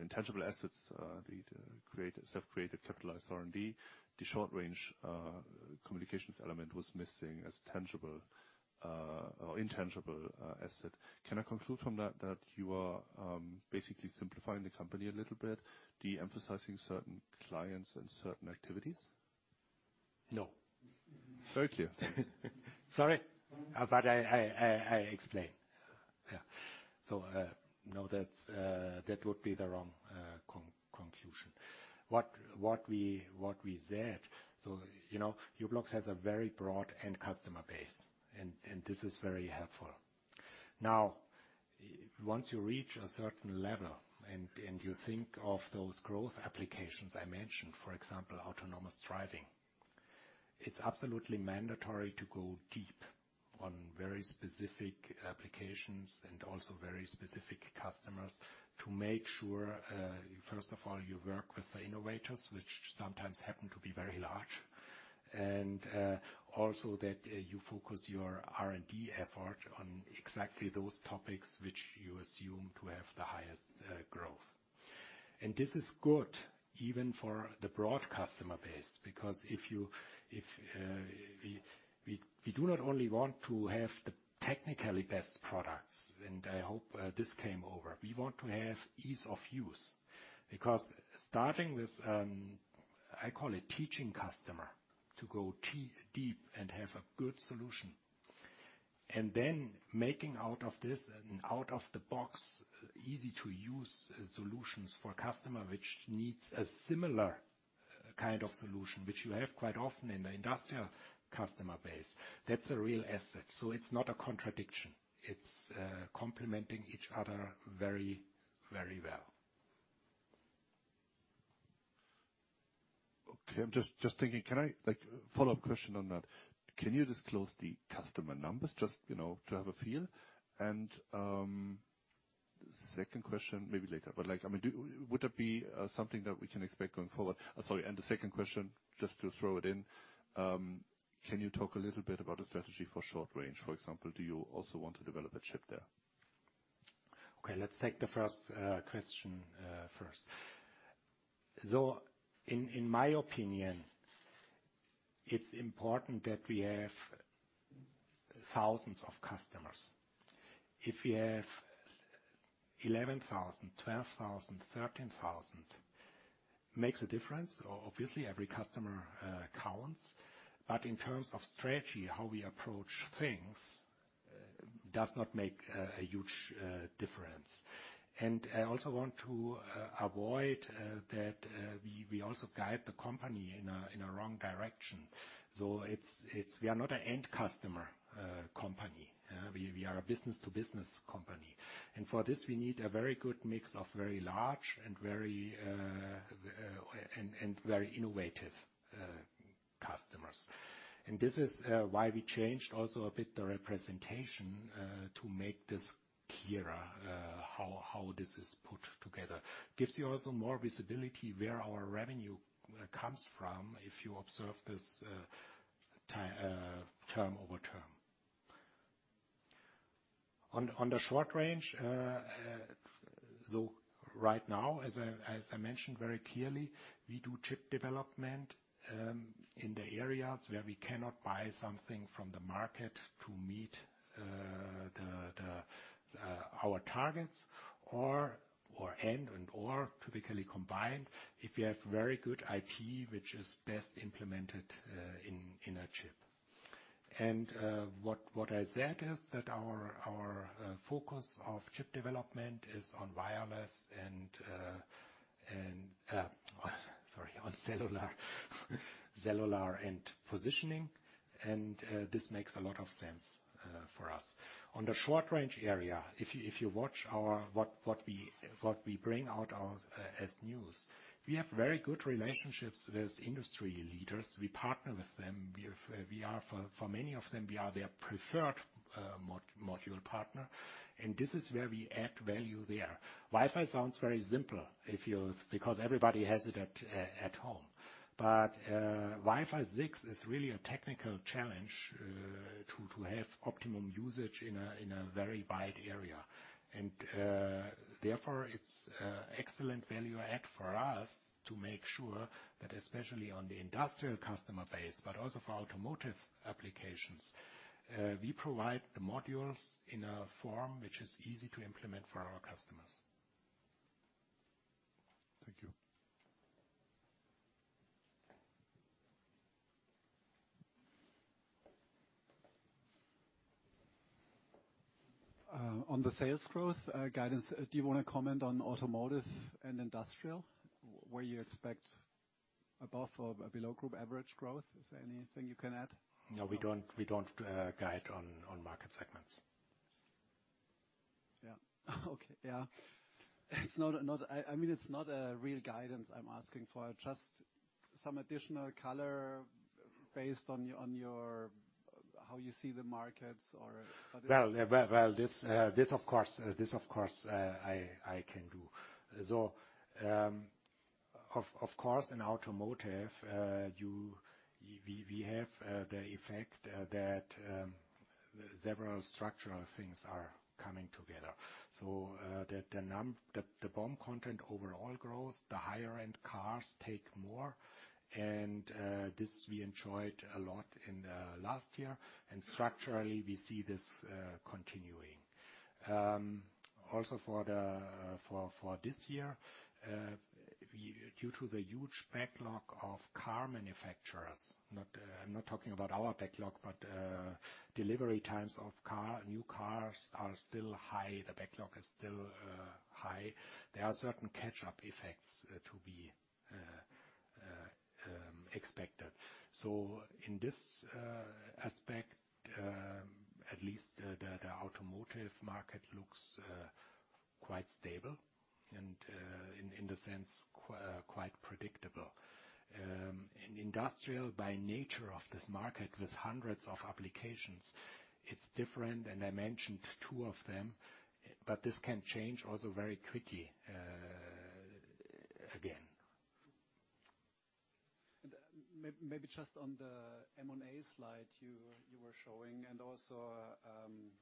intangible assets, the created, self-created capitalized R&D, the short range communications element was missing as tangible or intangible asset. Can I conclude from that that you are basically simplifying the company a little bit, de-emphasizing certain clients and certain activities? No. Very clear. Sorry. I, I explain. Yeah. No, that's, that would be the wrong conclusion. What we said. You know, u-blox has a very broad end customer base, and this is very helpful. Now, once you reach a certain level and you think of those growth applications I mentioned, for example, autonomous driving, it's absolutely mandatory to go deep on very specific applications and also very specific customers to make sure, first of all, you work with the innovators, which sometimes happen to be very large, and also that you focus your R&D effort on exactly those topics which you assume to have the highest growth. This is good even for the broad customer base, because if we do not only want to have the technically best products, and I hope this came over. We want to have ease of use because starting with, I call it teaching customer to go tea-deep and have a good solution, and then making out of this an out-of-the-box, easy-to-use solutions for a customer which needs a similar kind of solution, which you have quite often in the Industrial customer base. That's a real asset. It's not a contradiction. It's complementing each other very, very well. Okay. I'm just thinking, follow-up question on that. Can you disclose the customer numbers just, you know, to have a feel? Second question, maybe later, but, like, I mean, would that be something that we can expect going forward? Sorry, the second question, just to throw it in, can you talk a little bit about the strategy for short range? For example, do you also want to develop a chip there? Okay, let's take the first question first. In my opinion, it's important that we have 1,000s of customers. If we have 11,000, 12,000, 13,000 makes a difference, obviously every customer counts, but in terms of strategy, how we approach things does not make a huge difference. I also want to avoid that we also guide the company in a wrong direction. We are not an end customer company. We are a business-to-business company, and for this, we need a very good mix of very large and very innovative customers. This is why we changed also a bit the representation to make this clearer how this is put together. Gives you also more visibility where our revenue comes from if you observe this term over term. On the short range, so right now, as I, as I mentioned very clearly, we do chip development in the areas where we cannot buy something from the market to meet our targets or end and/or typically combined, if we have very good IT, which is best implemented in a chip. What, what I said is that our focus of chip development is on wireless and... Sorry, on cellular and positioning, and this makes a lot of sense for us. On the short range area, if you watch what we bring out our, as news. We have very good relationships with industry leaders. We partner with them. We are for many of them, we are their preferred modular partner. This is where we add value there. Wi-Fi sounds very simple because everybody has it at home. Wi-Fi 6 is really a technical challenge to have optimum usage in a very wide area. Therefore, it's excellent value add for us to make sure that especially on the Industrial customer base, but also for Automotive applications, we provide the modules in a form which is easy to implement for our customers. Thank you. On the sales growth guidance, do you wanna comment on Automotive and Industrial, where you expect above or below group average growth? Is there anything you can add? No, we don't guide on market segments. Yeah. Okay. Yeah. I mean, it's not a real guidance I'm asking for. Just some additional color based on your, how you see the markets or... Well, this of course, I can do. Of course, in Automotive, we have the effect that several structural things are coming together. The BOM content overall grows, the higher end cars take more, and this we enjoyed a lot in the last year. Structurally, we see this continuing. Also for this year, due to the huge backlog of car manufacturers, not I'm not talking about our backlog, but delivery times of car, new cars are still high. The backlog is still high. There are certain catch-up effects to be expected. In this aspect, at least the Automotive market looks quite stable and in the sense, quite predictable. In Industrial, by nature of this market with 100s of applications, it's different, and I mentioned two of them. This can change also very quickly again. Maybe just on the M&A slide you were showing,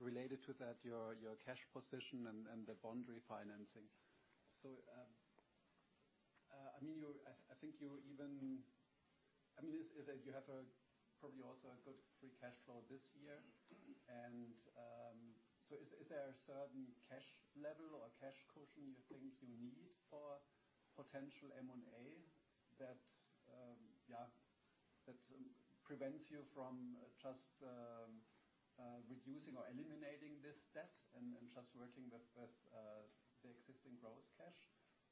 related to that, your cash position and the bond refinancing. I mean, I think you even... I mean, you have a probably also a good free cash flow this year? Is there a certain cash level or cash cushion you think you need for potential M&A that, yeah, that prevents you from just reducing or eliminating this debt and working with the existing gross cash?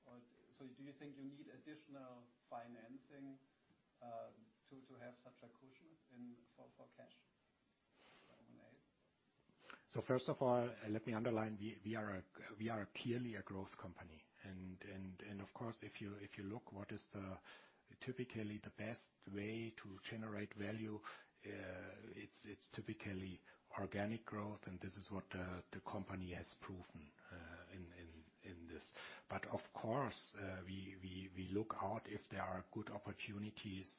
Do you think you need additional financing to have such a cushion for cash for M&A? First of all, let me underline, we are clearly a growth company. Of course, if you look what is typically the best way to generate value, it's typically organic growth, and this is what the company has proven in this. Of course, we look out if there are good opportunities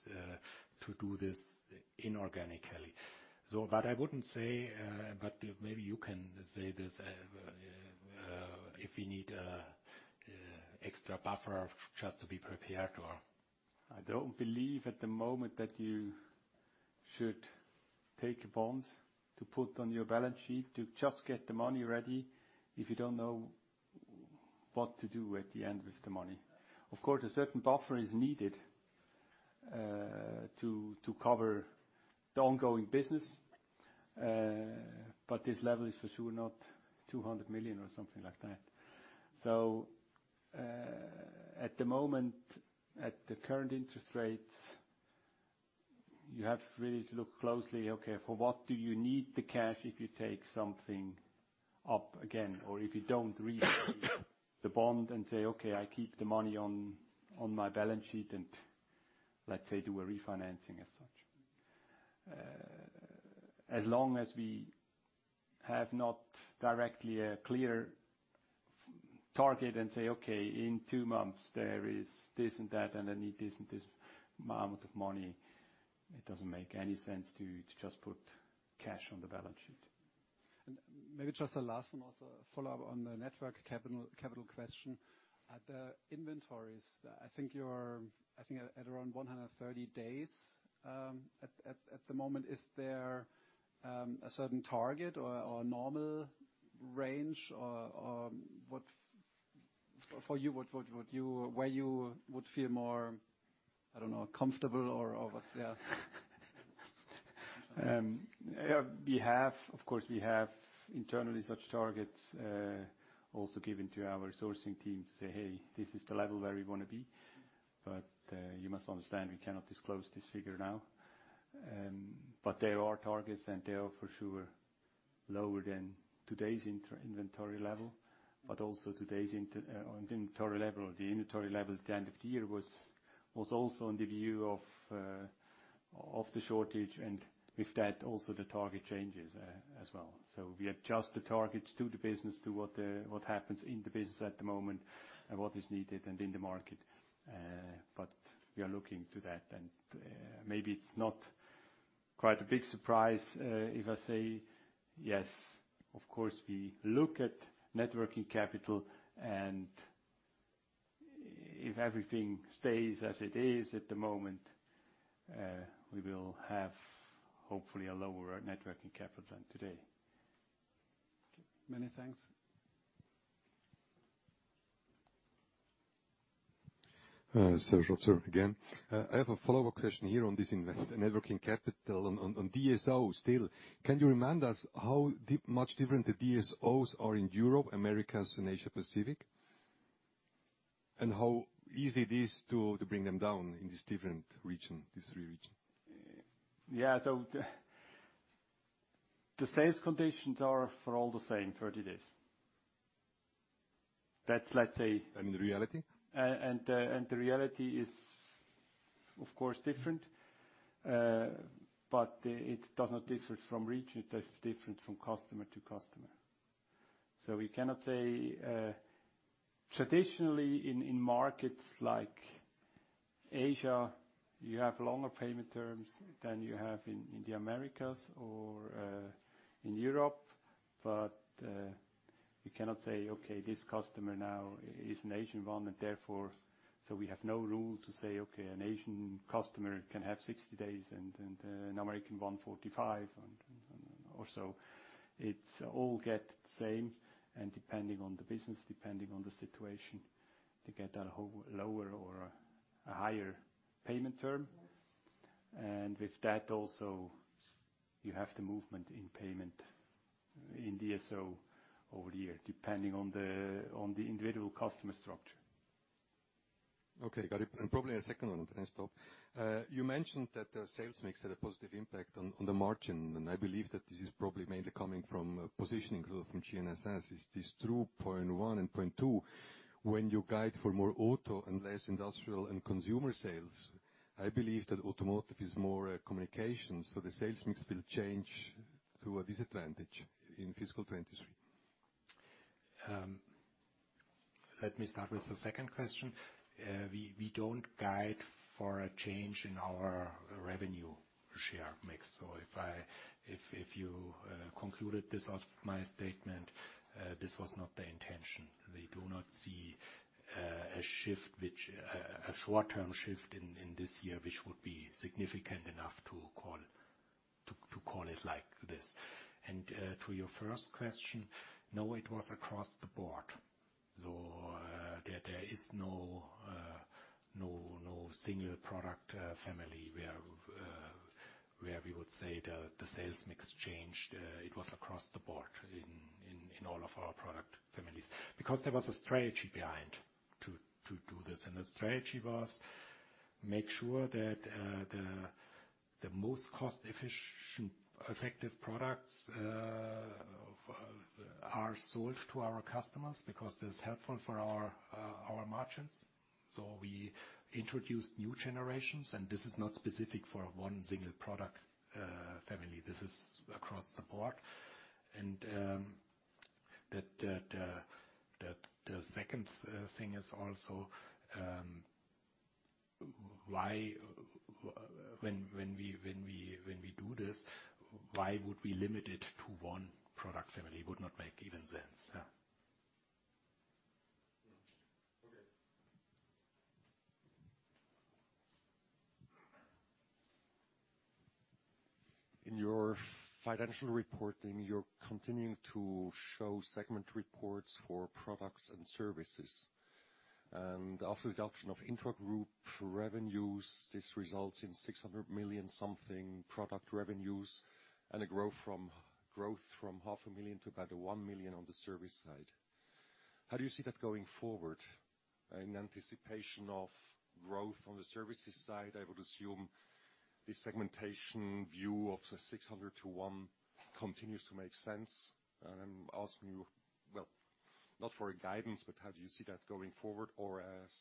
to do this inorganically. I wouldn't say, but maybe you can say this if we need extra buffer just to be prepared or. I don't believe at the moment that you should take a bond to put on your balance sheet to just get the money ready if you don't know what to do at the end with the money. Of course, a certain buffer is needed to cover the ongoing business, but this level is for sure not 200 million or something like that. At the moment, at the current interest rates, you have really to look closely, okay, for what do you need the cash if you take something up again, or if you don't refinance the bond and say, "Okay, I keep the money on my balance sheet," and let's say do a refinancing as such. As long as we have not directly a clear target and say, "Okay, in two months there is this and that, and I need this and this amount of money," it doesn't make any sense to just put cash on the balance sheet. Maybe just a last one. Also a follow-up on the net working capital question. At the inventories, I think at around 130 days at the moment. Is there a certain target or normal range or what? For you, where you would feel more comfortable or what? We have, of course, we have internally such targets, also given to our sourcing team to say, "Hey, this is the level where we want to be." You must understand we cannot disclose this figure now. There are targets, and they are for sure lower than today's inventory level. Also today's inventory level, the inventory level at the end of the year was also in the view of the shortage, and with that, also the target changes as well. We adjust the targets to the business to what happens in the business at the moment and what is needed in the market. We are looking to that. Maybe it's not quite a big surprise, if I say yes, of course, we look at net working capital and if everything stays as it is at the moment, we will have hopefully a lower net working capital than today. Many thanks. Short term again. I have a follow-up question here on this net net working capital. On DSO still, can you remind us how much different the DSOs are in Europe, Americas, and Asia Pacific, and how easy it is to bring them down in this different region, these three region? Yeah. The sales conditions are for all the same 30 days. Reality? The reality is of course different, but it does not differ from region, it is different from customer to customer. We cannot say. Traditionally in markets like Asia, you have longer payment terms than you have in the Americas or in Europe. We cannot say, "Okay, this customer now is an Asian one, and therefore..." We have no rule to say, "Okay, an Asian customer can have 60 days and an American one 45, or so." It's all get same, depending on the business, depending on the situation, they get a lower or a higher payment term. With that also, you have the movement in payment in DSO over the year, depending on the individual customer structure. Okay, got it. Probably a second one, Stephan. You mentioned that the sales mix had a positive impact on the margin, I believe that this is probably mainly coming from a positioning rule from GNSS. Is this true, point one? Point two, when you guide for more auto and less Industrial and consumer sales, I believe that Automotive is more communications, so the sales mix will change to a disadvantage in fiscal 2023. Let me start with the second question. We don't guide for a change in our revenue share mix. If you concluded this out of my statement, this was not the intention. We do not see a shift which a short-term shift in this year which would be significant enough to call it like this. To your first question, no, it was across the board. There is no single product family where we would say the sales mix changed. It was across the board in all of our product families. Because there was a strategy behind to do this. The strategy was make sure that the most cost-effective products of are sold to our customers, because that's helpful for our margins. We introduced new generations, and this is not specific for one single product family. This is across the board. The second thing is also why when we do this, why would we limit it to one product family? Would not make even sense. Yeah. Okay. In your financial reporting, you're continuing to show segment reports for Products and Services. After the adoption of intra-group revenues, this results in 600 million something Product revenues and a growth from 0.5 million to about 1 million on the Service side. How do you see that going forward? In anticipation of growth on the Services side, I would assume the segmentation view of the 600 million to 1 million continues to make sense. I'm asking you, well, not for a guidance, but how do you see that going forward? As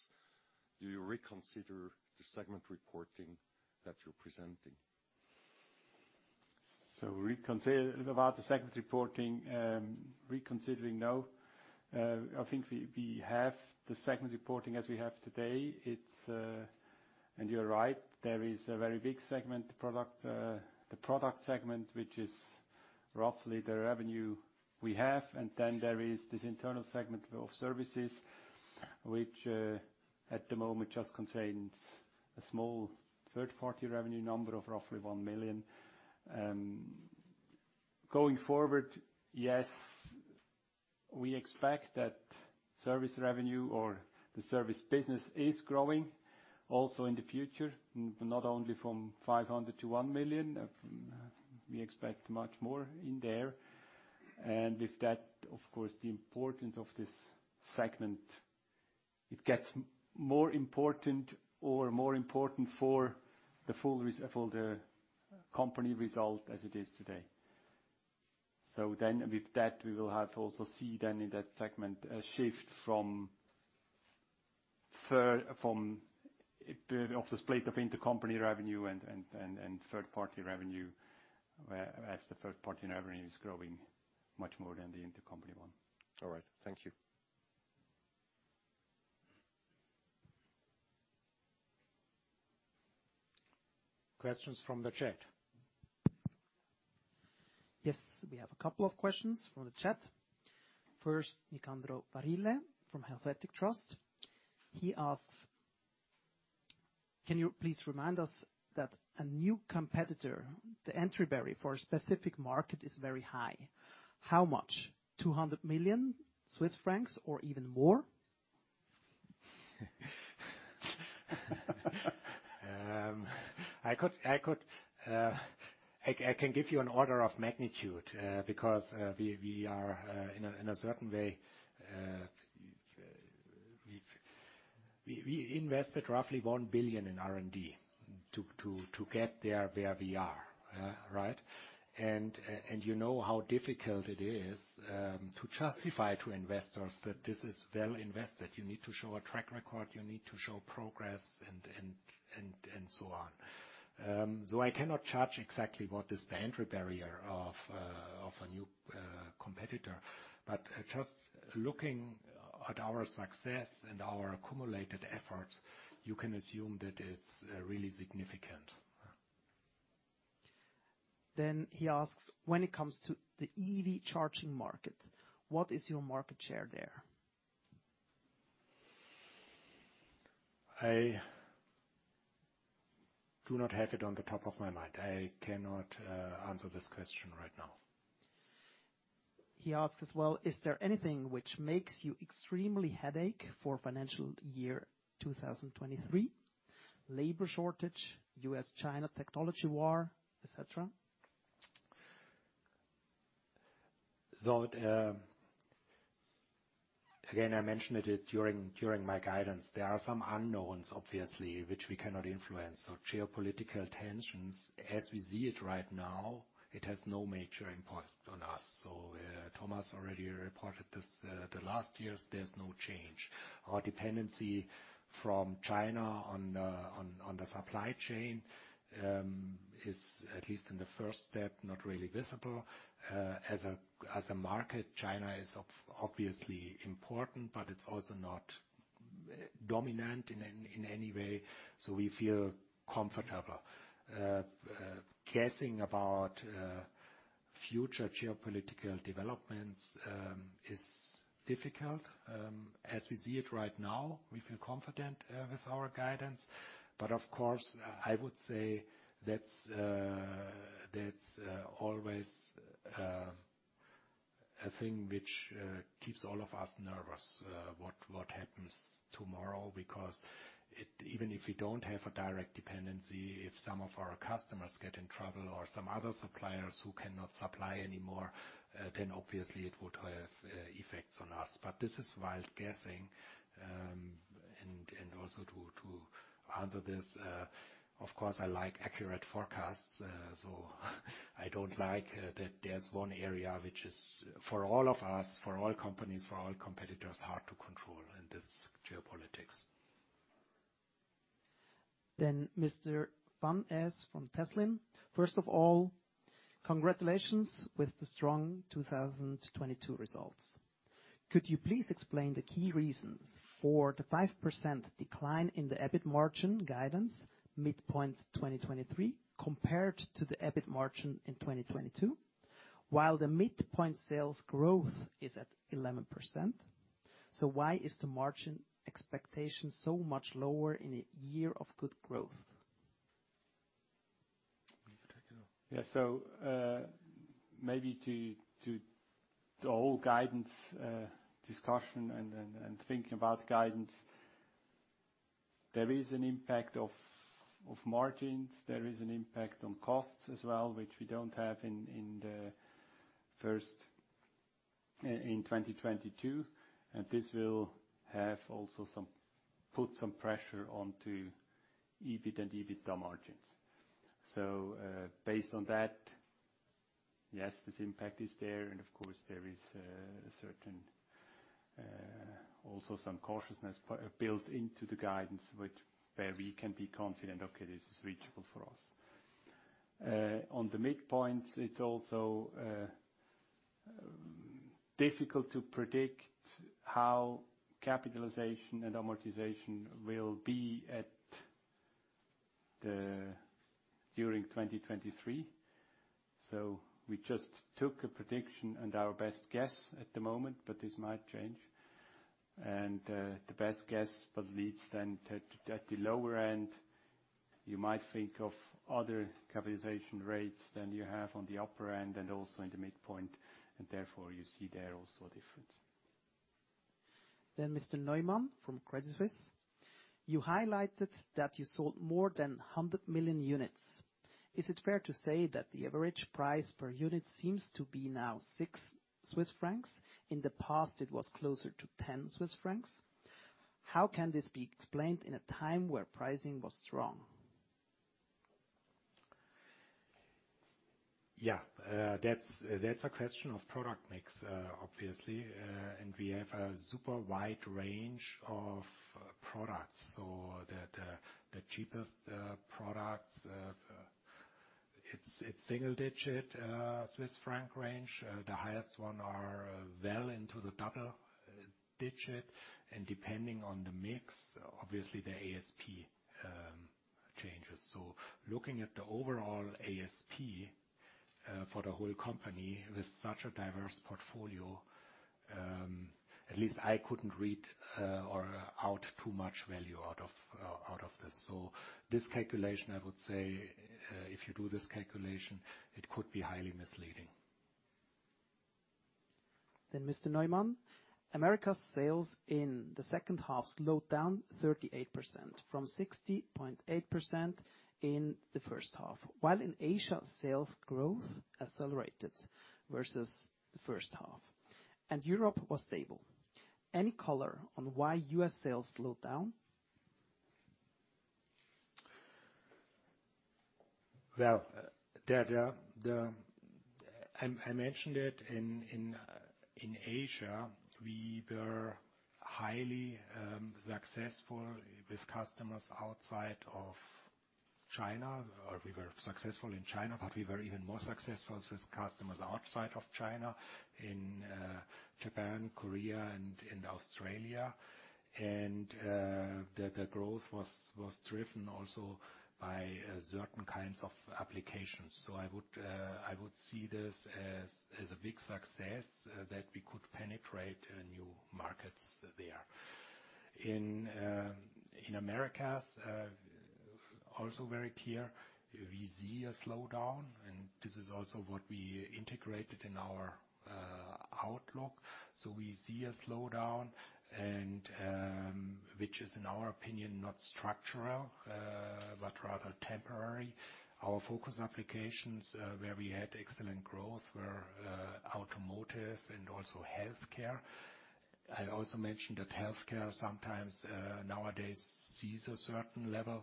do you reconsider the segment reporting that you're presenting? About the segment reporting, reconsidering, no. I think we have the segment reporting as we have today. It's. You're right, there is a very big segment product, the Product segment, which is roughly the revenue we have. Then there is this internal segment of Services, which at the moment just contains a small third-party revenue number of roughly $1 million. Going forward, yes, we expect that service revenue or the Service business is growing also in the future, not only from $500 to $1 million. We expect much more in there. With that, of course, the importance of this segment, it gets more important or more important for the full for the company result as it is today. With that, we will have also see then in that segment a shift from of the split of intercompany revenue and third-party revenue, where as the third-party revenue is growing much more than the intercompany one. All right. Thank you. Questions from the chat? Yes, we have a couple of questions from the chat. First, Nicandro Barile from Helvetic Trust. He asks, "Can you please remind us that a new competitor, the entry barrier for a specific market is very high. How much? 200 million Swiss francs or even more? I could, I can give you an order of magnitude, because we are in a certain way, we invested roughly 1 billion in R&D to get there where we are. Right? You know how difficult it is to justify to investors that this is well invested. You need to show a track record, you need to show progress and so on. I cannot judge exactly what is the entry barrier of a new competitor. Just looking at our success and our accumulated efforts, you can assume that it's really significant. He asks, when it comes to the EV charging market, what is your market share there? I do not have it on the top of my mind. I cannot answer this question right now. He asks as well, is there anything which makes you extremely headache for financial year 2023? Labor shortage, U.S.-China technology war, et cetera. Again, I mentioned it during my guidance. There are some unknowns, obviously, which we cannot influence. Geopolitical tensions, as we see it right now, it has no major impact on us. Thomas already reported this the last years, there's no change. Our dependency from China on the supply chain is at least in the first step, not really visible. As a market, China is obviously important, but it's also not dominant in any way, so we feel comfortable. Guessing about future geopolitical developments is difficult. As we see it right now, we feel confident with our guidance. Of course, I would say that's always a thing which keeps all of us nervous what happens tomorrow. Even if we don't have a direct dependency, if some of our customers get in trouble or some other suppliers who cannot supply anymore, then obviously it would have effects on us. This is wild guessing. Also to answer this, of course, I like accurate forecasts. I don't like that there's one area which is for all of us, for all companies, for all competitors, hard to control, and this is geopolitics. Mr. Van Es from Teslin. First of all, congratulations with the strong 2022 results. Could you please explain the key reasons for the 5% decline in the EBIT margin guidance midpoint 2023 compared to the EBIT margin in 2022, while the midpoint sales growth is at 11%. Why is the margin expectation so much lower in a year of good growth? Yeah. Maybe to the whole guidance discussion and thinking about guidance, there is an impact of margins. There is an impact on costs as well, which we don't have in 2022. This will have also put some pressure onto EBIT and EBITDA margins. Based on that, yes, this impact is there and of course, there is a certain also some cautiousness built into the guidance where we can be confident, okay, this is reachable for us. On the midpoints, it's also difficult to predict how capitalization and amortization will be during 2023. We just took a prediction and our best guess at the moment, but this might change. The best guess, but leads then to at the lower end, you might think of other capitalization rates than you have on the upper end and also in the midpoint, and therefore you see there also a difference. Mr. Neumann from Credit Suisse. You highlighted that you sold more than 100 million units. Is it fair to say that the average price per unit seems to be now 6 Swiss francs? In the past, it was closer to 10 Swiss francs. How can this be explained in a time where pricing was strong? That's a question of product mix, obviously. We have a super wide range of products. The cheapest products, it's single-digit Swiss franc range. The highest one are well into the double digit. Depending on the mix, obviously, the ASP changes. Looking at the overall ASP for the whole company with such a diverse portfolio, at least I couldn't read or out too much value out of this. This calculation, I would say, if you do this calculation, it could be highly misleading. Mr. Neumann. America's sales in the second half slowed down 38% from 60.8% in the first half, while in Asia, sales growth accelerated vs the first half, and Europe was stable. Any color on why U.S. sales slowed down? Well, I mentioned it in Asia, we were highly successful with customers outside of China, or we were successful in China, but we were even more successful with customers outside of China, in Japan, Korea, and in Australia. The growth was driven also by certain kinds of applications. I would see this as a big success that we could penetrate new markets there. In Americas, also very clear, we see a slowdown, and this is also what we integrated in our outlook. We see a slowdown and, which is, in our opinion, not structural, but rather temporary. Our focus applications, where we had excellent growth were Automotive and also Healthcare. I also mentioned that Healthcare sometimes, nowadays sees a certain level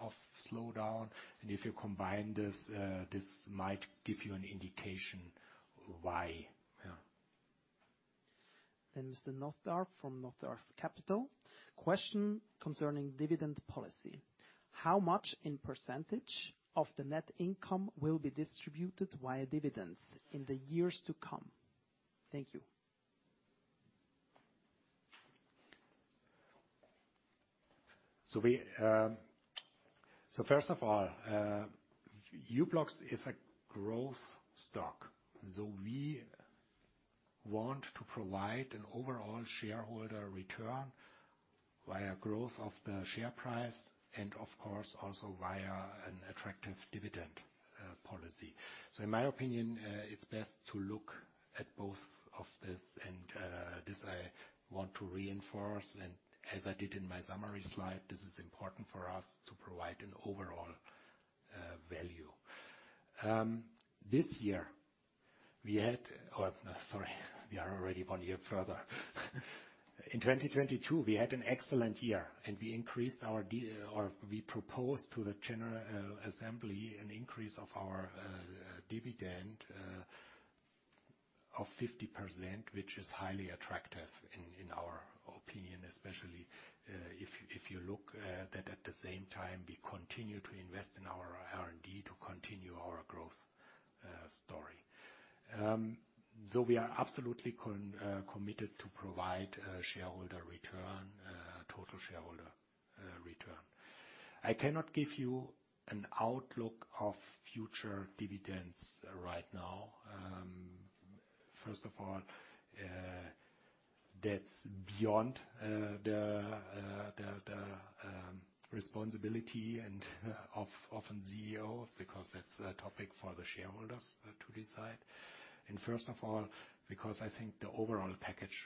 of slowdown. If you combine this might give you an indication why. Yeah. Mr. Northrop from Northrop Capital. Question concerning dividend policy. How much in % of the net income will be distributed via dividends in the years to come? Thank you. First of all, u-blox is a growth stock. We want to provide an overall shareholder return via growth of the share price and of course, also via an attractive dividend policy. In my opinion, it's best to look at both of this. This I want to reinforce, and as I did in my summary slide, this is important for us to provide an overall value. Sorry, we are already one year further. In 2022, we had an excellent year, and we proposed to the general assembly an increase of our dividend of 50%, which is highly attractive in our opinion. Especially, if you look at the same time, we continue to invest in our R&D to continue our growth story. We are absolutely committed to provide shareholder return, total shareholder return. I cannot give you an outlook of future dividends right now. First of all, that's beyond the responsibility and often CEO, because that's a topic for the shareholders to decide. First of all, because I think the overall package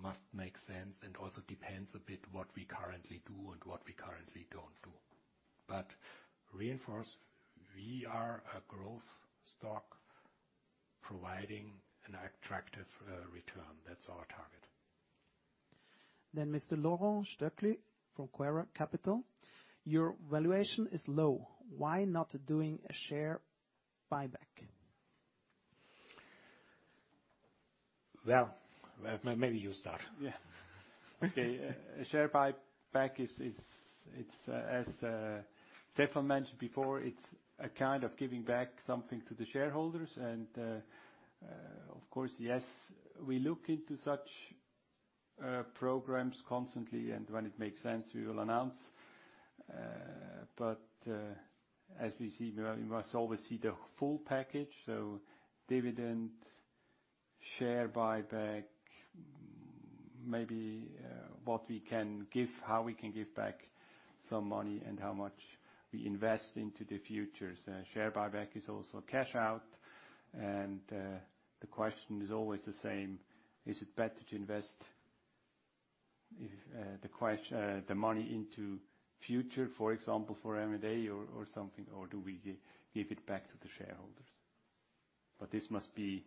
must make sense and also depends a bit what we currently do and what we currently don't do. Reinforce, we are a growth stock providing an attractive return. That's our target. Mr. Laurent Stöckli from Quaero Capital. Your valuation is low. Why not doing a share buyback? Well, maybe you start. Yeah. Okay. A share buyback, it's as Stephan mentioned before, it's a kind of giving back something to the shareholders. Of course, yes, we look into such programs constantly, and when it makes sense, we will announce. As we see, we must always see the full package. Dividend, share buyback, maybe, what we can give, how we can give back some money and how much we invest into the future. Share buyback is also cash out. The question is always the same: is it better to invest the money into future, for example, for M&A or something, or do we give it back to the shareholders? This must be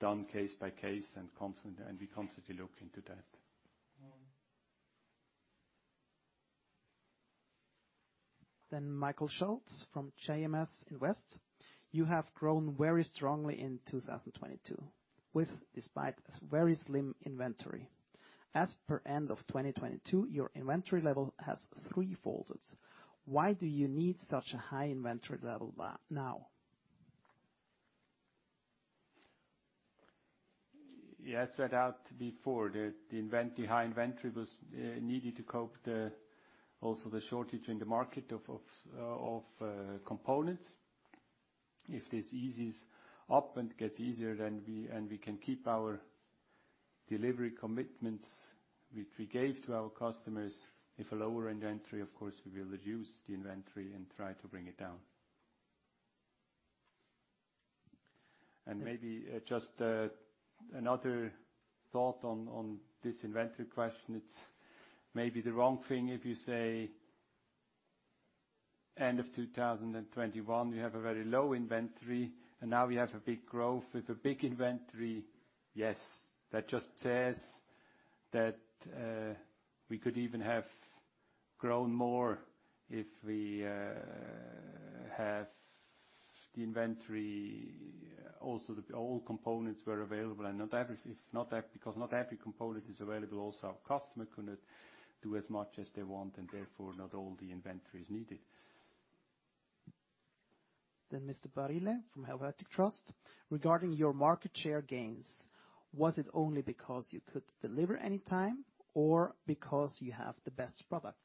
done case by case and we constantly look into that. Michael Schulz from JMS Invest. You have grown very strongly in 2022 with despite a very slim inventory. As per end of 2022, your inventory level has three-folded. Why do you need such a high inventory level now? Yes, I doubt before the high inventory was needed to cope the, also the shortage in the market of components. If this eases up and gets easier, then we can keep our delivery commitments which we gave to our customers. If a lower inventory, of course, we will reduce the inventory and try to bring it down. Maybe, just another thought on this inventory question. It's maybe the wrong thing if you say. End of 2021, we have a very low inventory, and now we have a big growth. With a big inventory, yes, that just says that we could even have grown more if we have the inventory. The all components were available because not every component is available, also our customer could not do as much as they want, and therefore, not all the inventory is needed. Mr. Barile from Helvetic Trust. Regarding your market share gains, was it only because you could deliver any time or because you have the best products?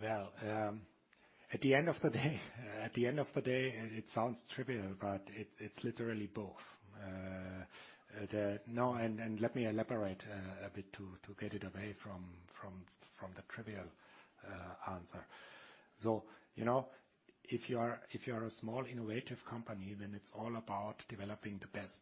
Well, at the end of the day, it sounds trivial, but it's literally both. Let me elaborate a bit to get it away from the trivial answer. You know, if you are a small, innovative company, then it's all about developing the best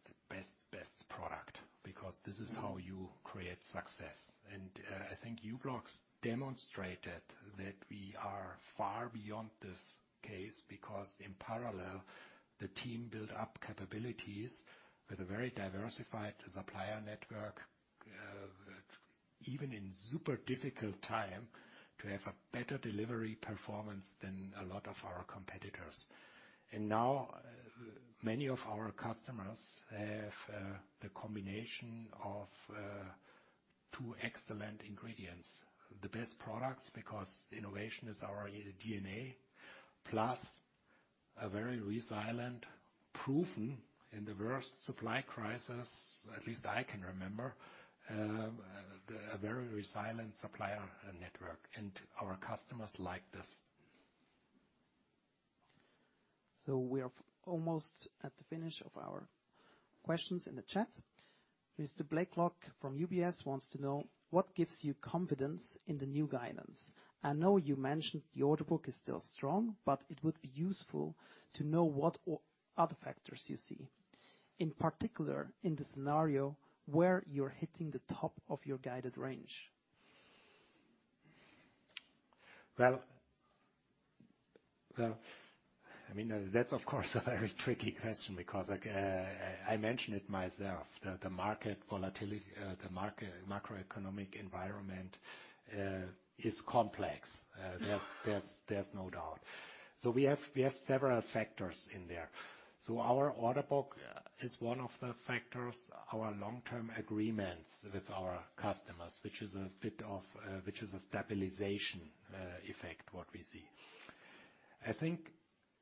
product, because this is how you create success. I think u-blox demonstrated that we are far beyond this case because in parallel, the team built up capabilities with a very diversified supplier network, even in super difficult time, to have a better delivery performance than a lot of our competitors. Now, many of our customers have a combination of two excellent ingredients: the best products, because innovation is our DNA, plus a very resilient, proven in the worst supply crisis, at least I can remember, a very resilient supplier network. Our customers like this. We are almost at the finish of our questions in the chat. Mr. Blaiklock from UBS wants to know: What gives you confidence in the new guidance? I know you mentioned the order book is still strong, but it would be useful to know what other factors you see. In particular, in the scenario where you're hitting the top of your guided range. Well, I mean, that's, of course, a very tricky question because, I mentioned it myself, the market macroeconomic environment, is complex. There's no doubt. We have several factors in there. Our order book is one of the factors. Our long-term agreements with our customers, which is a bit of, which is a stabilization, effect, what we see. I think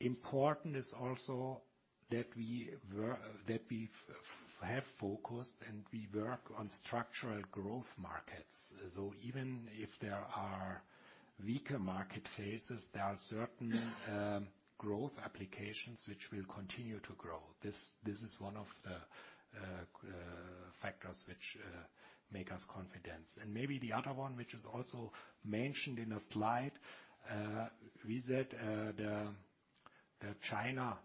important is also that we have focused and we work on structural growth markets. Even if there are weaker market phases, there are certain, growth applications which will continue to grow. This is one of the factors which make us confidence. Maybe the other one, which is also mentioned in a slide, we said, the China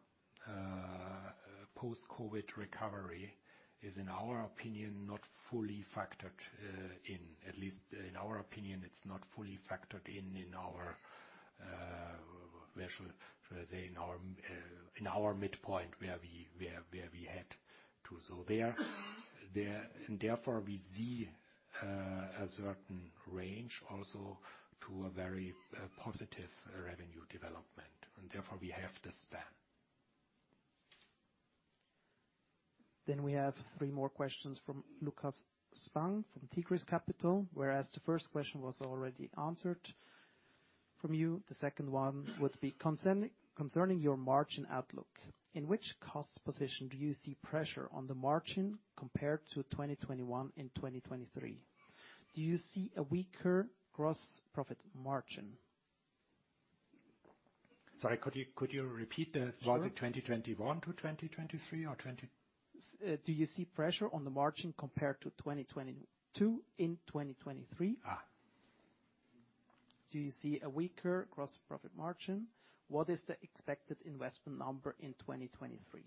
post-COVID recovery is, in our opinion, not fully factored in. At least in our opinion, it's not fully factored in in our, where shall I say? In our, in our midpoint where we had to. There, and therefore we see, a certain range also to a very, positive revenue development, and therefore we have the span. We have three more questions from Lukas Spang from Tigris Capital, whereas the first question was already answered from you. The second one would be concerning your margin outlook. In which cost position do you see pressure on the margin compared to 2021 and 2023? Do you see a weaker gross profit margin? Sorry, could you repeat that? Sure. Was it 2021-2023 or? Do you see pressure on the margin compared to 2022 and 2023? Ah. Do you see a weaker gross profit margin? What is the expected investment number in 2023?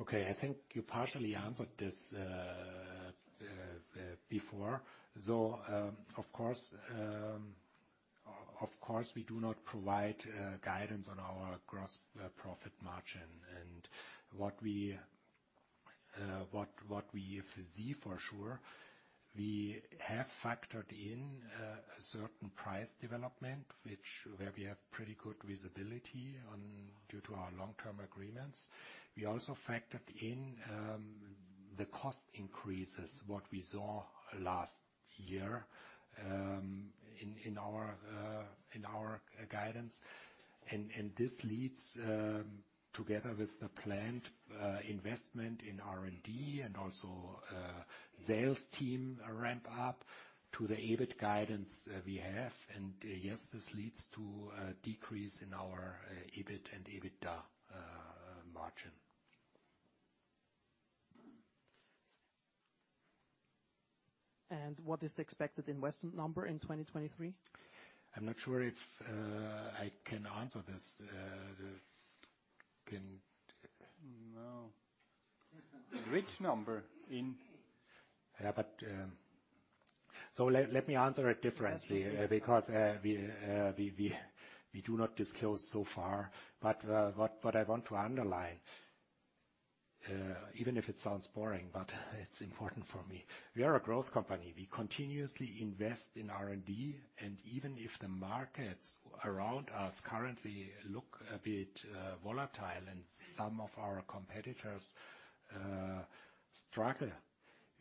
Okay, I think you partially answered this before. Of course, we do not provide guidance on our gross profit margin. What we see for sure, we have factored in a certain price development where we have pretty good visibility on due to our long-term agreements. We also factored in the cost increases, what we saw last year, in our guidance. This leads together with the planned investment in R&D and also sales team ramp up to the EBIT guidance we have. Yes, this leads to a decrease in our EBIT and EBITDA margin. What is the expected investment number in 2023? I'm not sure if I can answer this. Can Which number? Yeah, let me answer it differently. That's okay. Because we do not disclose so far. What I want to underline, even if it sounds boring, but it's important for me. We are a growth company. We continuously invest in R&D, and even if the markets around us currently look a bit volatile and some of our competitors struggle,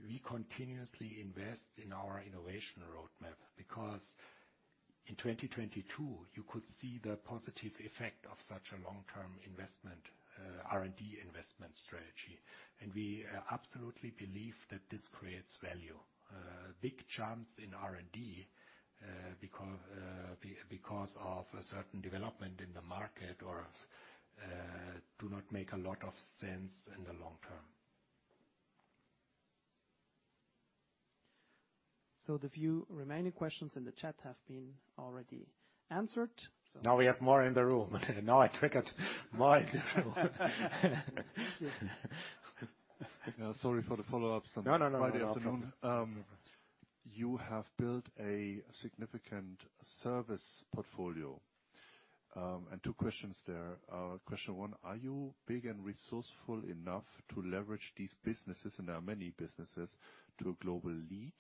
we continuously invest in our innovation roadmap. Because in 2022, you could see the positive effect of such a long-term investment R&D investment strategy. We absolutely believe that this creates value. Big jumps in R&D, because of a certain development in the market or do not make a lot of sense in the long term. The few remaining questions in the chat have been already answered. Now we have more in the room. Now I triggered more in the room. Thank you. Sorry for the follow-ups. No, no. Friday afternoon. You have built a significant service portfolio. Two questions there. Question one, are you big and resourceful enough to leverage these businesses, and there are many businesses, to a global lead?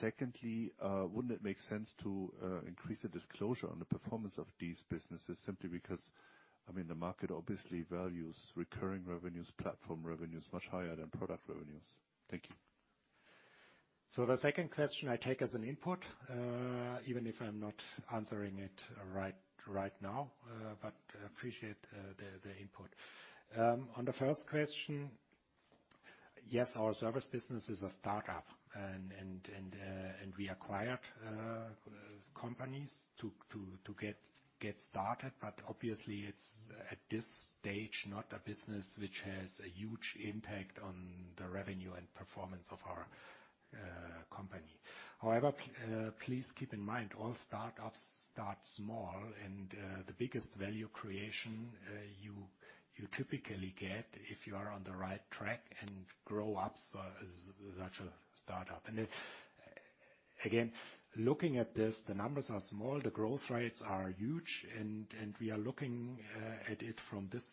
Secondly, wouldn't it make sense to increase the disclosure on the performance of these businesses simply because, I mean, the market obviously values recurring revenues, platform revenues much higher than Product revenues. Thank you. The second question I take as an input, even if I'm not answering it right now, but appreciate the input. On the first question, yes, our service business is a startup and we acquired companies to get started, but obviously it's at this stage not a business which has a huge impact on the revenue and performance of our company. However, please keep in mind, all startups start small and the biggest value creation, you typically get if you are on the right track and grow up, so as such a startup. Again, looking at this, the numbers are small, the growth rates are huge, and we are looking at it from this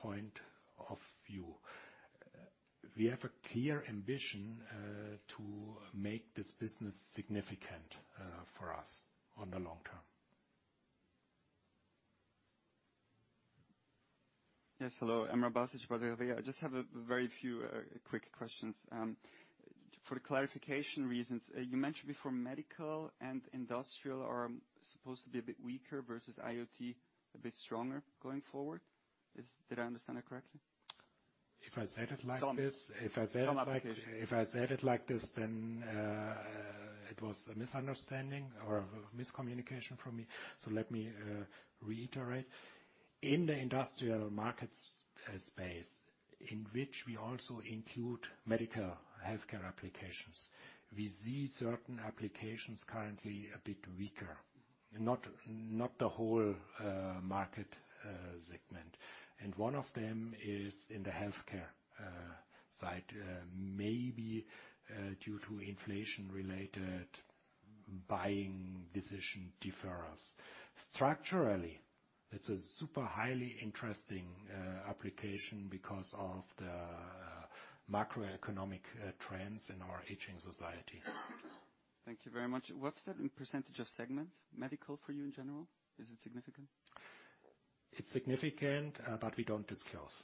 point of view. We have a clear ambition to make this business significant for us on the long term. Yes, hello. Stephan, I just have a very few quick questions. For clarification reasons, you mentioned before medical and Industrial are supposed to be a bit weaker vs IoT a bit stronger going forward. Did I understand that correctly? If I said it like this. Some. If I said it. Some applications. If I said it like this, it was a misunderstanding or miscommunication from me. Let me reiterate. In the Industrial markets space, in which we also include medical healthcare applications, we see certain applications currently a bit weaker, not the whole market segment. One of them is in the healthcare side, maybe due to inflation-related buying decision deferrals. Structurally, it's a super highly interesting application because of the macroeconomic trends in our aging society. Thank you very much. What's that in % of segment medical for you in general? Is it significant? It's significant, but we don't disclose.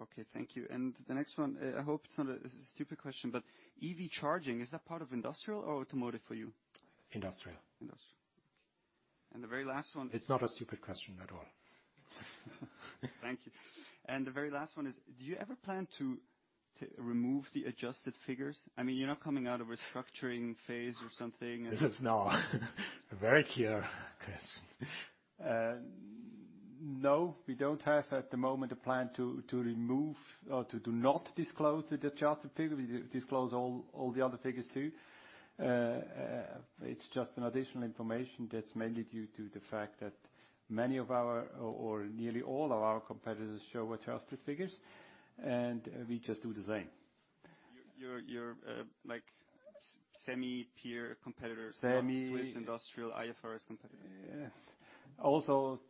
Okay. Thank you. The next one, I hope it's not a stupid question, EV charging, is that part of Industrial or Automotive for you? Industrial. Industrial. the very last one It's not a stupid question at all. Thank you. The very last one is, do you ever plan to remove the adjusted figures? I mean, you're not coming out of a restructuring phase or something and. This is now a very clear question. No, we don't have at the moment a plan to remove or to do not disclose the adjusted figure. We disclose all the other figures too. It's just an additional information that's mainly due to the fact that many of our or nearly all of our competitors show adjusted figures, we just do the same. You're like semi peer competitors... Semi- Swiss Industrial IFRS competitor. Yes. Also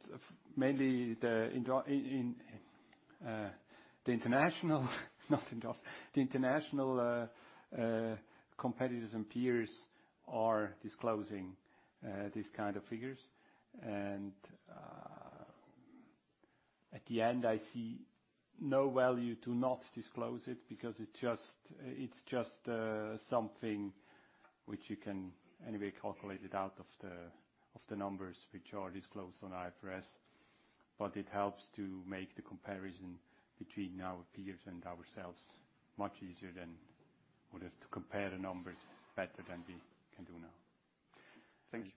mainly the international, not Industrial, the international competitors and peers are disclosing these kind of figures. At the end I see no value to not disclose it because it's just something which you can anyway calculate it out of the numbers which are disclosed on IFRS. It helps to make the comparison between our peers and ourselves much easier than would have to compare the numbers better than we can do now. Thank you.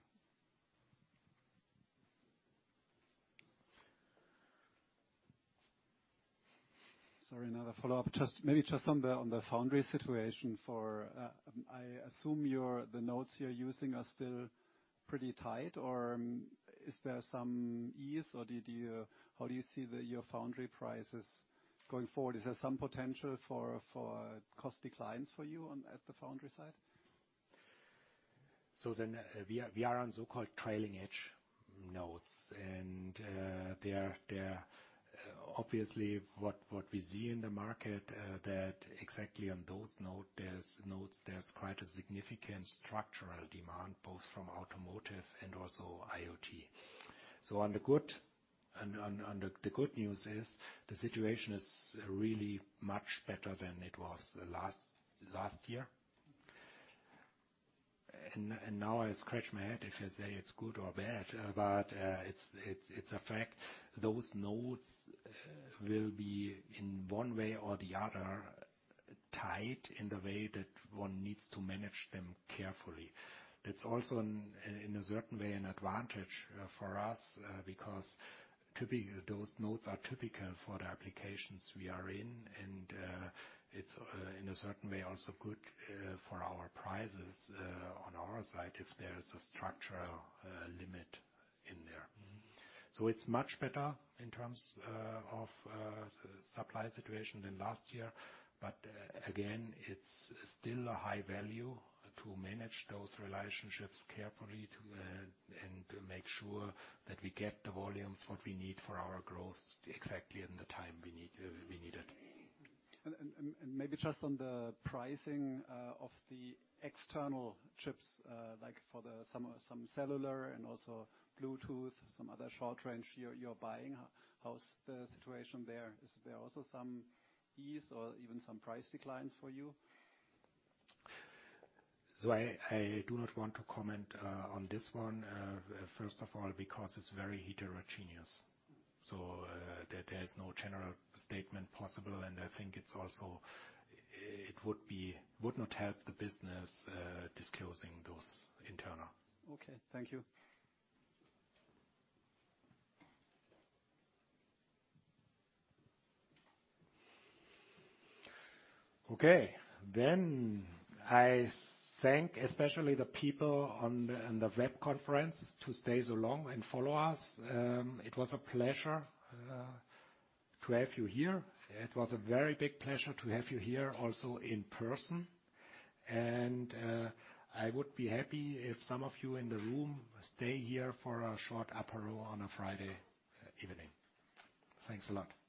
Sorry, another follow-up. Just, maybe just on the, on the foundry situation for, I assume your, the nodes you're using are still Pretty tight or, is there some ease or how do you see your foundry prices going forward? Is there some potential for cost declines for you on, at the foundry side? We are on so-called trailing-edge nodes. They are obviously what we see in the market, that exactly on those nodes, there's quite a significant structural demand both from Automotive and also IoT. The good news is the situation is really much better than it was last year. Now I scratch my head if I say it's good or bad, but it's a fact. Those nodes will be, in one way or the other, tied in the way that one needs to manage them carefully. It's also in a certain way, an advantage for us, because typically, those nodes are typical for the applications we are in, and it's in a certain way also good for our prices on our side if there is a structural limit in there. It's much better in terms of supply situation than last year. Again, it's still a high value to manage those relationships carefully and to make sure that we get the volumes what we need for our growth exactly in the time we need it. Maybe just on the pricing of the external chips, like some cellular and also Bluetooth, some other short range you're buying, how's the situation there? Is there also some ease or even some price declines for you? I do not want to comment on this one. First of all, because it's very heterogeneous, so, there is no general statement possible. I think it's also would not help the business disclosing those internal. Okay, thank you. Okay. I thank especially the people in the web conference to stay so long and follow us. It was a pleasure to have you here. It was a very big pleasure to have you here also in person. I would be happy if some of you in the room stay here for a short apero on a Friday evening. Thanks a lot.